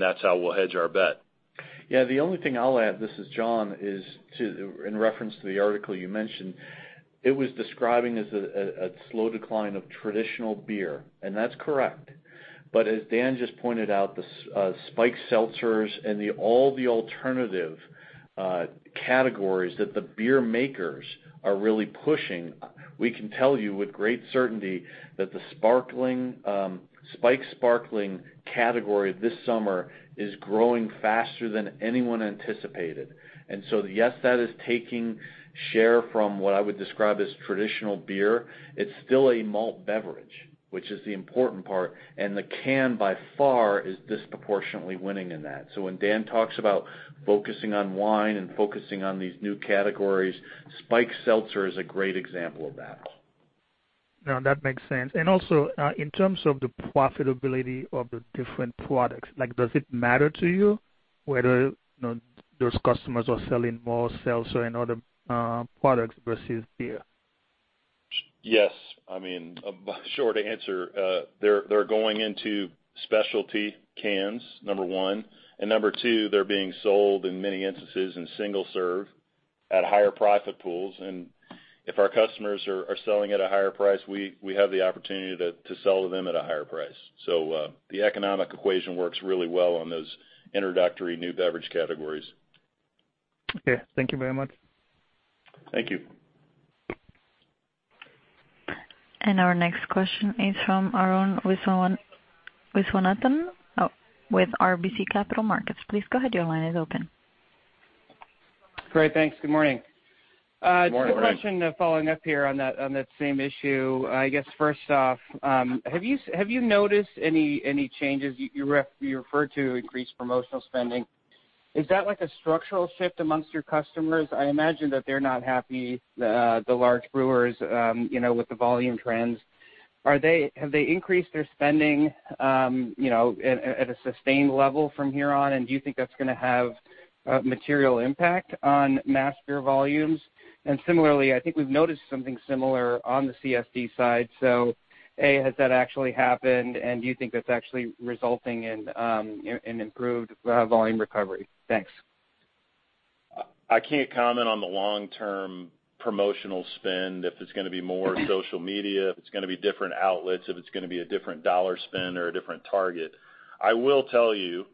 that's how we'll hedge our bet. Yeah, the only thing I'll add, this is John, is in reference to the article you mentioned, it was describing as a slow decline of traditional beer, and that's correct. As Dan just pointed out, the spiked seltzers and all the alternative categories that the beer makers are really pushing, we can tell you with great certainty that the spiked sparkling category this summer is growing faster than anyone anticipated. Yes, that is taking share from what I would describe as traditional beer. It's still a malt beverage, which is the important part, and the can by far is disproportionately winning in that. When Dan talks about focusing on wine and focusing on these new categories, spiked seltzer is a great example of that. No, that makes sense. Also, in terms of the profitability of the different products, does it matter to you whether those customers are selling more seltzer and other products versus beer? Yes. Short answer, they're going into specialty cans, number 1. Number 2, they're being sold in many instances in single serve at higher profit pools. If our customers are selling at a higher price, we have the opportunity to sell to them at a higher price. The economic equation works really well on those introductory new beverage categories. Okay. Thank you very much. Thank you. Our next question is from Arun Viswanathan with RBC Capital Markets. Please go ahead, your line is open. Great, thanks. Good morning. Morning, Arun. Just a question following up here on that same issue. I guess first off, have you noticed any changes? You referred to increased promotional spending. Is that like a structural shift amongst your customers? I imagine that they're not happy, the large brewers, with the volume trends. Have they increased their spending at a sustained level from here on, and do you think that's going to have a material impact on mass beer volumes? Similarly, I think we've noticed something similar on the CSD side. A, has that actually happened, and do you think that's actually resulting in improved volume recovery? Thanks. I can't comment on the long-term promotional spend, if it's going to be more social media, if it's going to be different outlets, if it's going to be a different dollar spend or a different target. I will tell you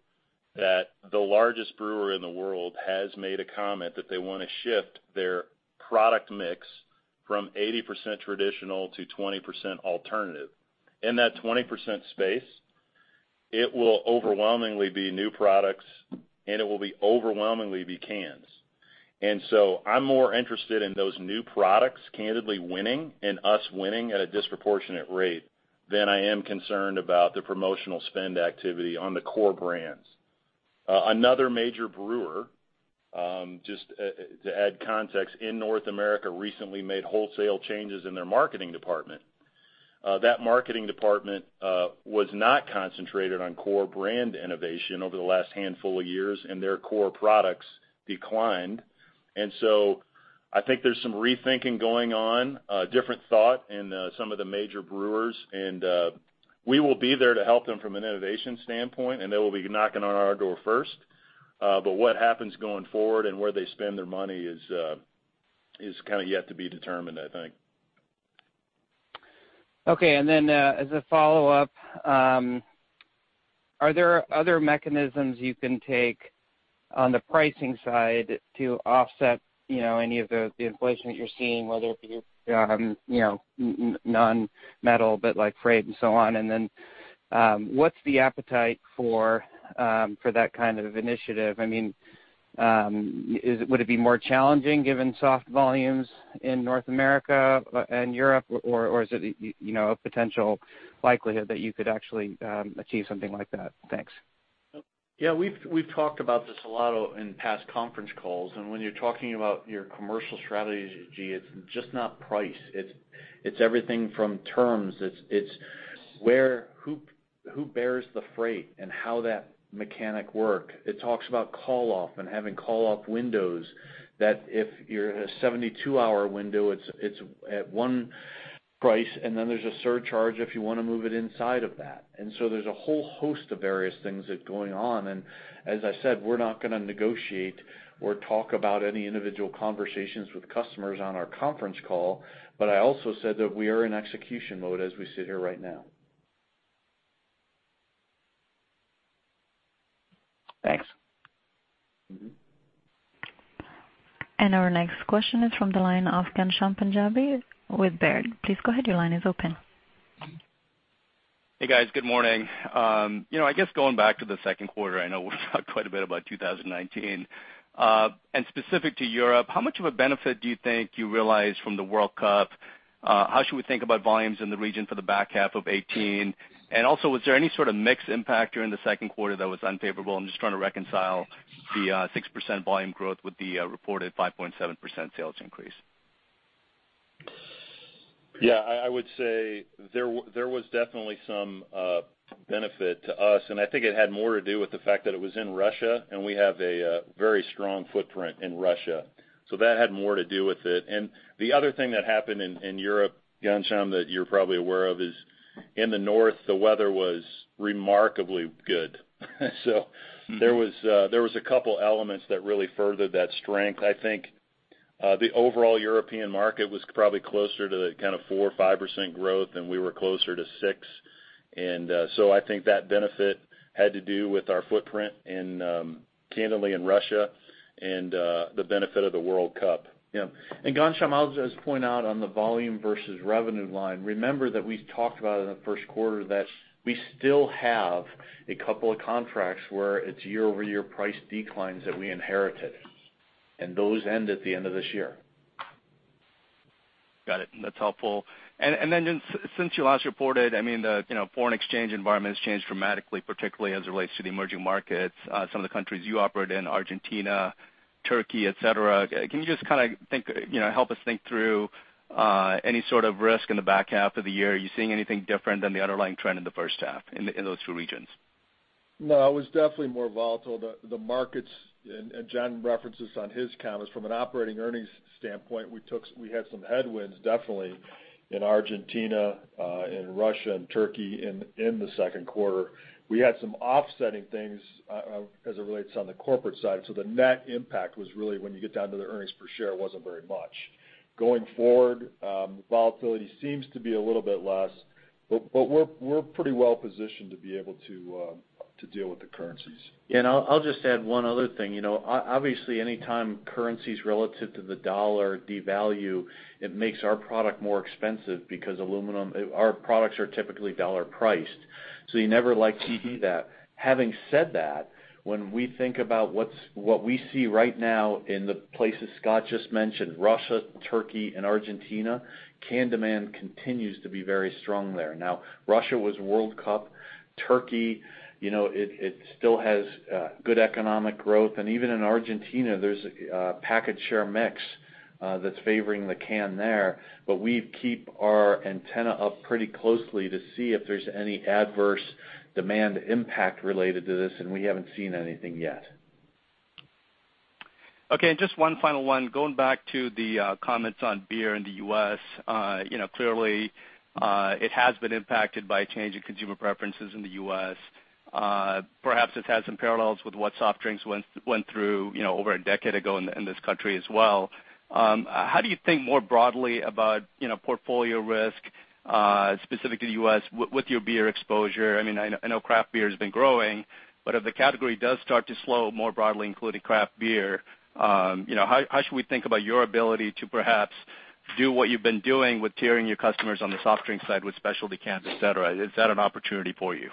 that the largest brewer in the world has made a comment that they want to shift their product mix from 80% traditional to 20% alternative. In that 20% space, it will overwhelmingly be new products, and it will overwhelmingly be cans. So I'm more interested in those new products candidly winning and us winning at a disproportionate rate than I am concerned about the promotional spend activity on the core brands. Another major brewer, just to add context, in North America recently made wholesale changes in their marketing department. That marketing department was not concentrated on core brand innovation over the last handful of years, and their core products declined. So I think there's some rethinking going on, a different thought in some of the major brewers, and we will be there to help them from an innovation standpoint, and they will be knocking on our door first. What happens going forward and where they spend their money is yet to be determined, I think. Okay, as a follow-up, are there other mechanisms you can take on the pricing side to offset any of the inflation that you're seeing, whether it be non-metal, but like freight and so on? What's the appetite for that kind of initiative? Would it be more challenging given soft volumes in North America and Europe, or is it a potential likelihood that you could actually achieve something like that? Thanks. Yeah, we've talked about this a lot in past conference calls, and when you're talking about your commercial strategy, it's just not price. It's everything from terms. It's who bears the freight and how that mechanic work. It talks about call-off and having call-off windows that if you're in a 72-hour window, it's at one price, and then there's a surcharge if you want to move it inside of that. So there's a whole host of various things going on. As I said, we're not going to negotiate or talk about any individual conversations with customers on our conference call, but I also said that we are in execution mode as we sit here right now. Thanks. Our next question is from the line of Ghansham Panjabi with Baird. Please go ahead. Your line is open. Hey, guys. Good morning. I guess going back to the second quarter, I know we've talked quite a bit about 2019. Specific to Europe, how much of a benefit do you think you realized from the World Cup? How should we think about volumes in the region for the back half of 2018? Also, was there any sort of mix impact during the second quarter that was unfavorable? I'm just trying to reconcile the 6% volume growth with the reported 5.7% sales increase. Yeah, I would say there was definitely some benefit to us, and I think it had more to do with the fact that it was in Russia and we have a very strong footprint in Russia. That had more to do with it. The other thing that happened in Europe, Ghansham, that you're probably aware of is in the north, the weather was remarkably good. There was a couple elements that really furthered that strength. I think the overall European market was probably closer to the 4%-5% growth, and we were closer to 6%. I think that benefit had to do with our footprint candidly in Russia and the benefit of the World Cup. Yeah. Ghansham, I'll just point out on the volume versus revenue line, remember that we talked about in the first quarter that we still have a couple of contracts where it's year-over-year price declines that we inherited, and those end at the end of this year. Got it. That's helpful. Since you last reported, the foreign exchange environment has changed dramatically, particularly as it relates to the emerging markets, some of the countries you operate in, Argentina, Turkey, et cetera. Can you just help us think through any sort of risk in the back half of the year? Are you seeing anything different than the underlying trend in the first half in those two regions? No, it was definitely more volatile. The markets, John references on his comments, from an operating earnings standpoint, we had some headwinds definitely in Argentina, in Russia, and Turkey in the second quarter. We had some offsetting things as it relates on the corporate side. The net impact was really, when you get down to the earnings per share, it wasn't very much. Going forward, volatility seems to be a little bit less, but we're pretty well positioned to be able to deal with the currencies. I'll just add one other thing. Obviously, anytime currencies relative to the dollar devalue, it makes our product more expensive because our products are typically dollar priced. You never like to see that. Having said that, when we think about what we see right now in the places Scott just mentioned, Russia, Turkey, and Argentina, can demand continues to be very strong there. Russia was World Cup. Turkey, it still has good economic growth. Even in Argentina, there's a package share mix that's favoring the can there. We keep our antenna up pretty closely to see if there's any adverse demand impact related to this, and we haven't seen anything yet. Okay. Just one final one. Going back to the comments on beer in the U.S., clearly, it has been impacted by a change in consumer preferences in the U.S. Perhaps it has some parallels with what soft drinks went through over a decade ago in this country as well. How do you think more broadly about portfolio risk, specific to the U.S., with your beer exposure? I know craft beer has been growing, but if the category does start to slow more broadly, including craft beer, how should we think about your ability to perhaps do what you've been doing with tiering your customers on the soft drink side with specialty cans, et cetera? Is that an opportunity for you?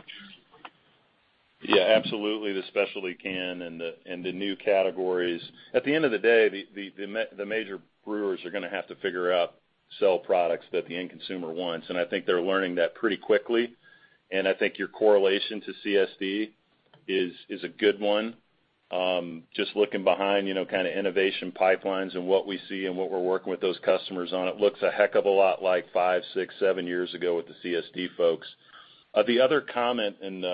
Yeah, absolutely, the specialty can and the new categories. At the end of the day, the major brewers are going to have to figure out, sell products that the end consumer wants, and I think they're learning that pretty quickly. I think your correlation to CSD is a good one. Just looking behind innovation pipelines and what we see and what we're working with those customers on, it looks a heck of a lot like five, six, seven years ago with the CSD folks. The other comment, and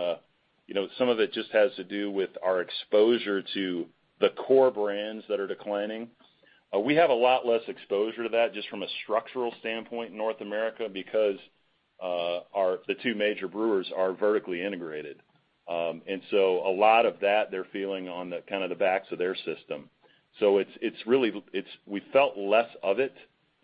some of it just has to do with our exposure to the core brands that are declining. We have a lot less exposure to that just from a structural standpoint in North America because the two major brewers are vertically integrated. A lot of that they're feeling on the backs of their system. We felt less of it,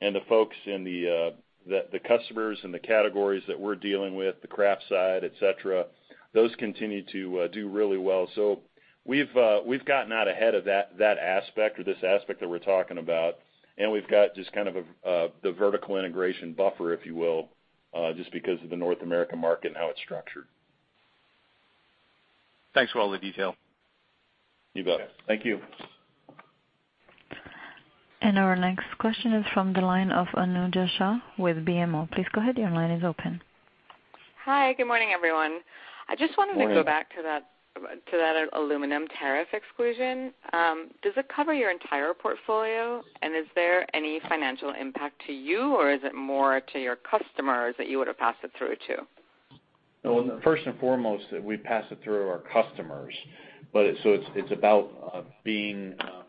and the folks, the customers and the categories that we're dealing with, the craft side, et cetera, those continue to do really well. We've gotten out ahead of that aspect or this aspect that we're talking about, and we've got just the vertical integration buffer, if you will, just because of the North American market and how it's structured. Thanks for all the detail. You bet. Thank you. Our next question is from the line of Mark Wilde with BMO. Please go ahead. Your line is open. Hi. Good morning, everyone. Morning. I just wanted to go back to that aluminum tariff exclusion. Does it cover your entire portfolio, and is there any financial impact to you, or is it more to your customers that you would have passed it through to? First and foremost, we pass it through our customers. It's about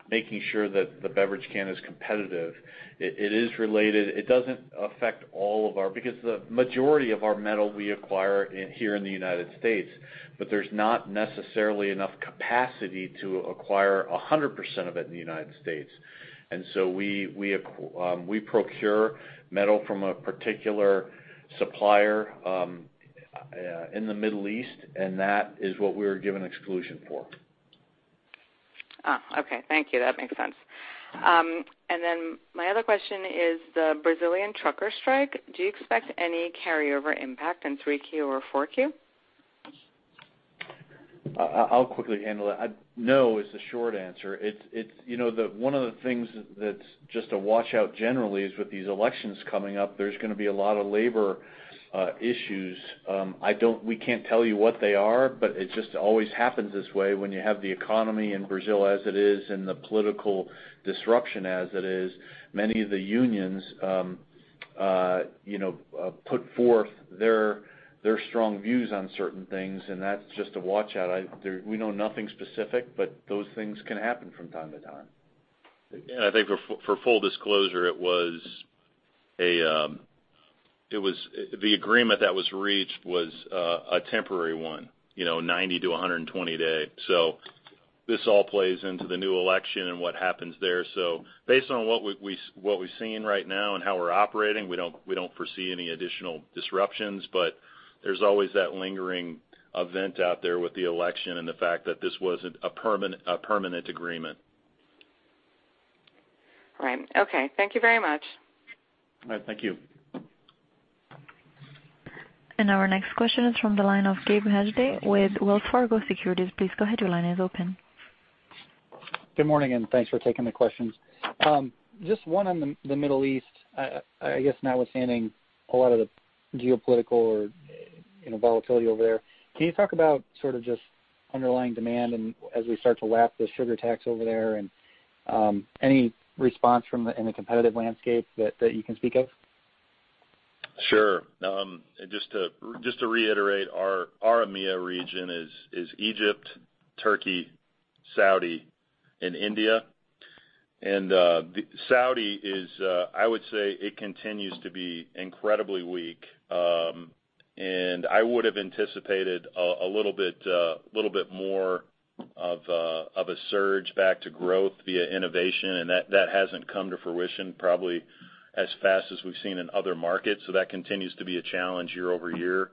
making sure that the beverage can is competitive. It is related. It doesn't affect all of our, because the majority of our metal we acquire here in the United States, but there's not necessarily enough capacity to acquire 100% of it in the United States. We procure metal from a particular supplier in the Middle East, and that is what we were given exclusion for. Oh, okay. Thank you. That makes sense. My other question is the Brazilian trucker strike. Do you expect any carryover impact in three Q or four Q? I'll quickly handle that. No is the short answer. One of the things that's just a watch-out generally is with these elections coming up, there's going to be a lot of labor issues. We can't tell you what they are, but it just always happens this way when you have the economy in Brazil as it is, and the political disruption as it is. Many of the unions put forth their strong views on certain things, and that's just a watch-out. We know nothing specific, but those things can happen from time to time. I think for full disclosure, the agreement that was reached was a temporary one, 90-120 day. This all plays into the new election and what happens there. Based on what we're seeing right now and how we're operating, we don't foresee any additional disruptions, but there's always that lingering event out there with the election and the fact that this wasn't a permanent agreement. Right. Okay. Thank you very much. All right. Thank you. Our next question is from the line of Gabe Hajde with Wells Fargo Securities. Please go ahead, your line is open. Good morning, and thanks for taking the questions. Just one on the Middle East. I guess notwithstanding a lot of the geopolitical or volatility over there, can you talk about sort of just underlying demand as we start to lap the sugar tax over there and any response in the competitive landscape that you can speak of? Sure. Just to reiterate, our EMEA region is Egypt, Turkey, Saudi, and India. Saudi, I would say, it continues to be incredibly weak. I would have anticipated a little bit more of a surge back to growth via innovation, and that hasn't come to fruition probably as fast as we've seen in other markets. That continues to be a challenge year-over-year.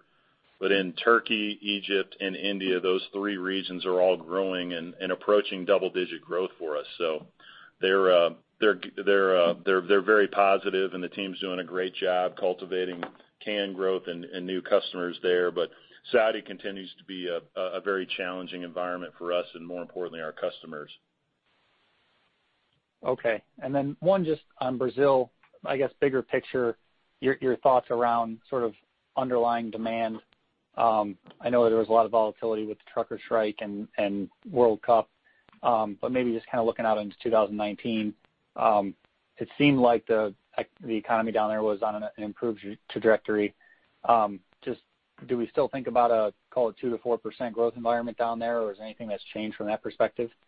In Turkey, Egypt and India, those three regions are all growing and approaching double-digit growth for us. They're very positive, and the team's doing a great job cultivating can growth and new customers there. Saudi continues to be a very challenging environment for us and more importantly, our customers. One just on Brazil, I guess bigger picture, your thoughts around sort of underlying demand. I know there was a lot of volatility with the trucker strike and World Cup. Maybe just kind of looking out into 2019, it seemed like the economy down there was on an improved trajectory. Do we still think about a, call it 2%-4% growth environment down there, or is there anything that's changed from that perspective? Yeah,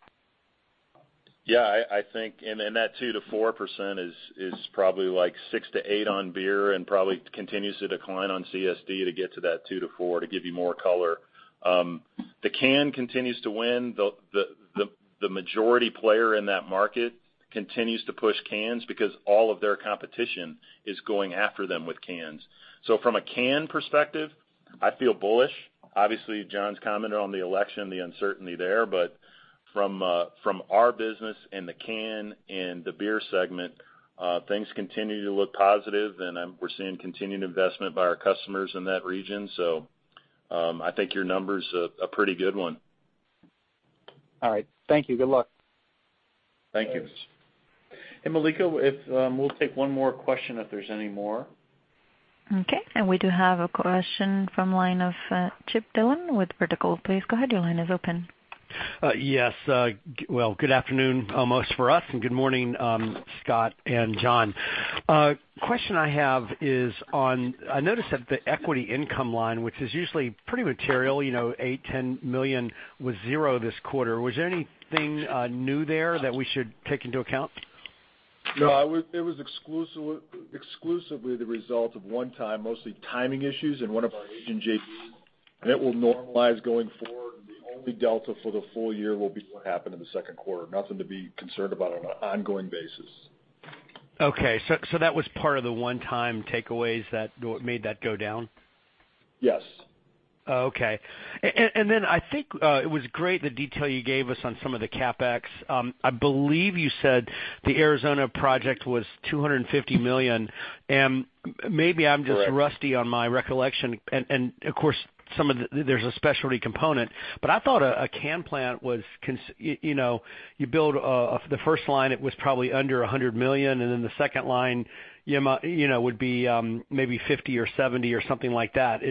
that 2%-4% is probably like 6%-8% on beer and probably continues to decline on CSD to get to that 2%-4% to give you more color. The can continues to win. The majority player in that market continues to push cans because all of their competition is going after them with cans. From a can perspective, I feel bullish. Obviously, John's commented on the election, the uncertainty there, from our business and the can and the beer segment, things continue to look positive. We're seeing continued investment by our customers in that region. I think your number's a pretty good one. All right. Thank you. Good luck. Thank you. Malika, we'll take one more question if there's any more. Okay. We do have a question from line of Chip Dillon with Vertical. Please go ahead, your line is open. Yes. Well, good afternoon almost for us, good morning, Scott and John. A question I have is on, I noticed that the equity income line, which is usually pretty material, eight, $10 million, was zero this quarter. Was there anything new there that we should take into account? No, it was exclusively the result of one time, mostly timing issues in one of our Asian JVs. It will normalize going forward. The only delta for the full year will be what happened in the second quarter. Nothing to be concerned about on an ongoing basis. Okay. That was part of the one-time takeaways that made that go down? Yes. Oh, okay. I think it was great the detail you gave us on some of the CapEx. I believe you said the Arizona project was $250 million. Correct I'm rusty on my recollection, and of course, there's a specialty component, but I thought a can plant was, you build the first line, it was probably under $100 million, and then the second line would be maybe $50 million or $70 million or something like that.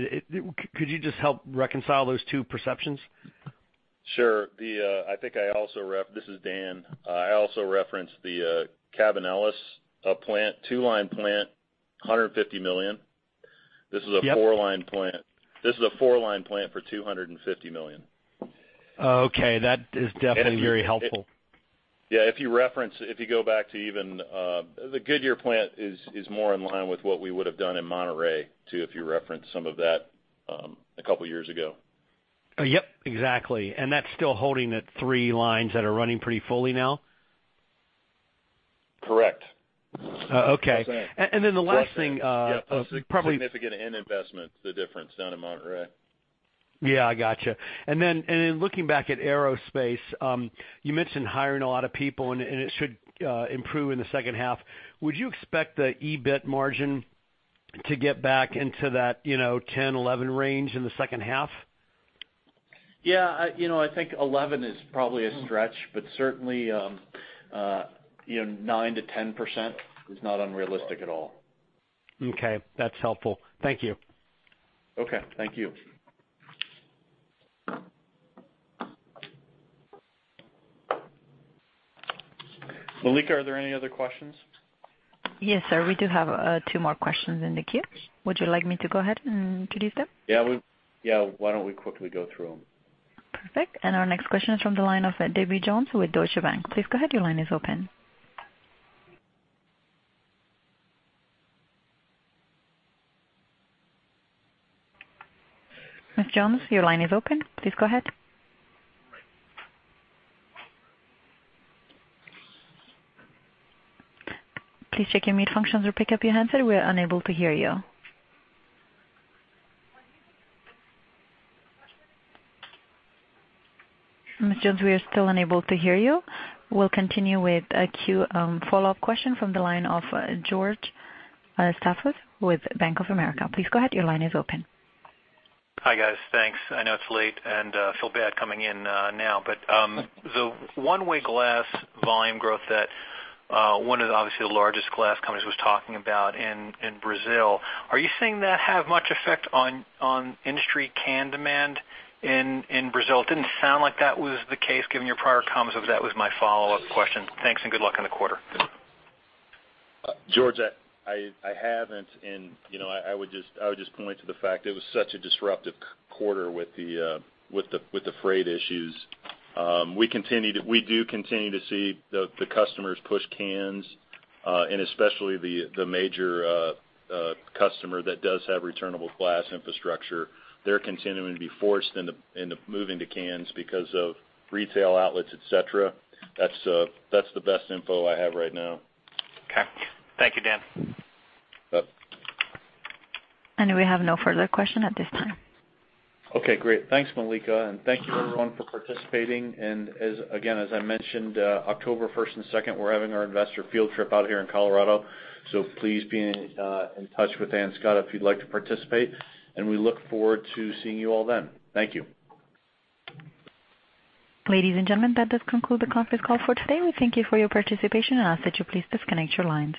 Could you just help reconcile those two perceptions? Sure. This is Dan. I also referenced the Cabanillas plant, 2-line plant, $150 million. This is a 4-line plant for $250 million. Oh, okay. That is definitely very helpful. Yeah, if you go back to even the Goodyear plant is more in line with what we would have done in Monterrey too, if you reference some of that a couple of years ago. Yep, exactly. That's still holding at three lines that are running pretty fully now? Correct. Okay. The last thing. Yeah. Probably- Significant in investment, the difference down in Monterrey. Yeah, I got you. Looking back at aerospace, you mentioned hiring a lot of people, and it should improve in the second half. Would you expect the EBIT margin to get back into that 10%-11% range in the second half? Yeah. I think 11% is probably a stretch, but certainly, 9%-10% is not unrealistic at all. Okay. That's helpful. Thank you. Okay. Thank you. Malika, are there any other questions? Yes, sir. We do have two more questions in the queue. Would you like me to go ahead and produce them? Yeah. Why don't we quickly go through them? Perfect. Our next question is from the line of Debbie Jones with Deutsche Bank. Please go ahead. Your line is open. Ms. Jones, your line is open. Please go ahead. Please check your mute functions or pick up your handset. We are unable to hear you. Ms. Jones, we are still unable to hear you. We'll continue with a follow-up question from the line of George Staphos with Bank of America. Please go ahead. Your line is open. Hi, guys. Thanks. I know it's late and feel bad coming in now. The one-way glass volume growth that one of obviously the largest glass companies was talking about in Brazil, are you seeing that have much effect on industry can demand in Brazil? It didn't sound like that was the case given your prior comments. That was my follow-up question. Thanks, and good luck on the quarter. George, I haven't, and I would just point to the fact it was such a disruptive quarter with the freight issues. We do continue to see the customers push cans, and especially the major customer that does have returnable glass infrastructure. They're continuing to be forced into moving to cans because of retail outlets, et cetera. That's the best info I have right now. Okay. Thank you, Dan. Yep. We have no further question at this time. Okay, great. Thanks, Malika. Thank you everyone for participating. Again, as I mentioned, October 1st and 2nd, we're having our investor field trip out here in Colorado. Please be in touch with Ann Scott if you'd like to participate. We look forward to seeing you all then. Thank you. Ladies and gentlemen, that does conclude the conference call for today. We thank you for your participation and ask that you please disconnect your lines.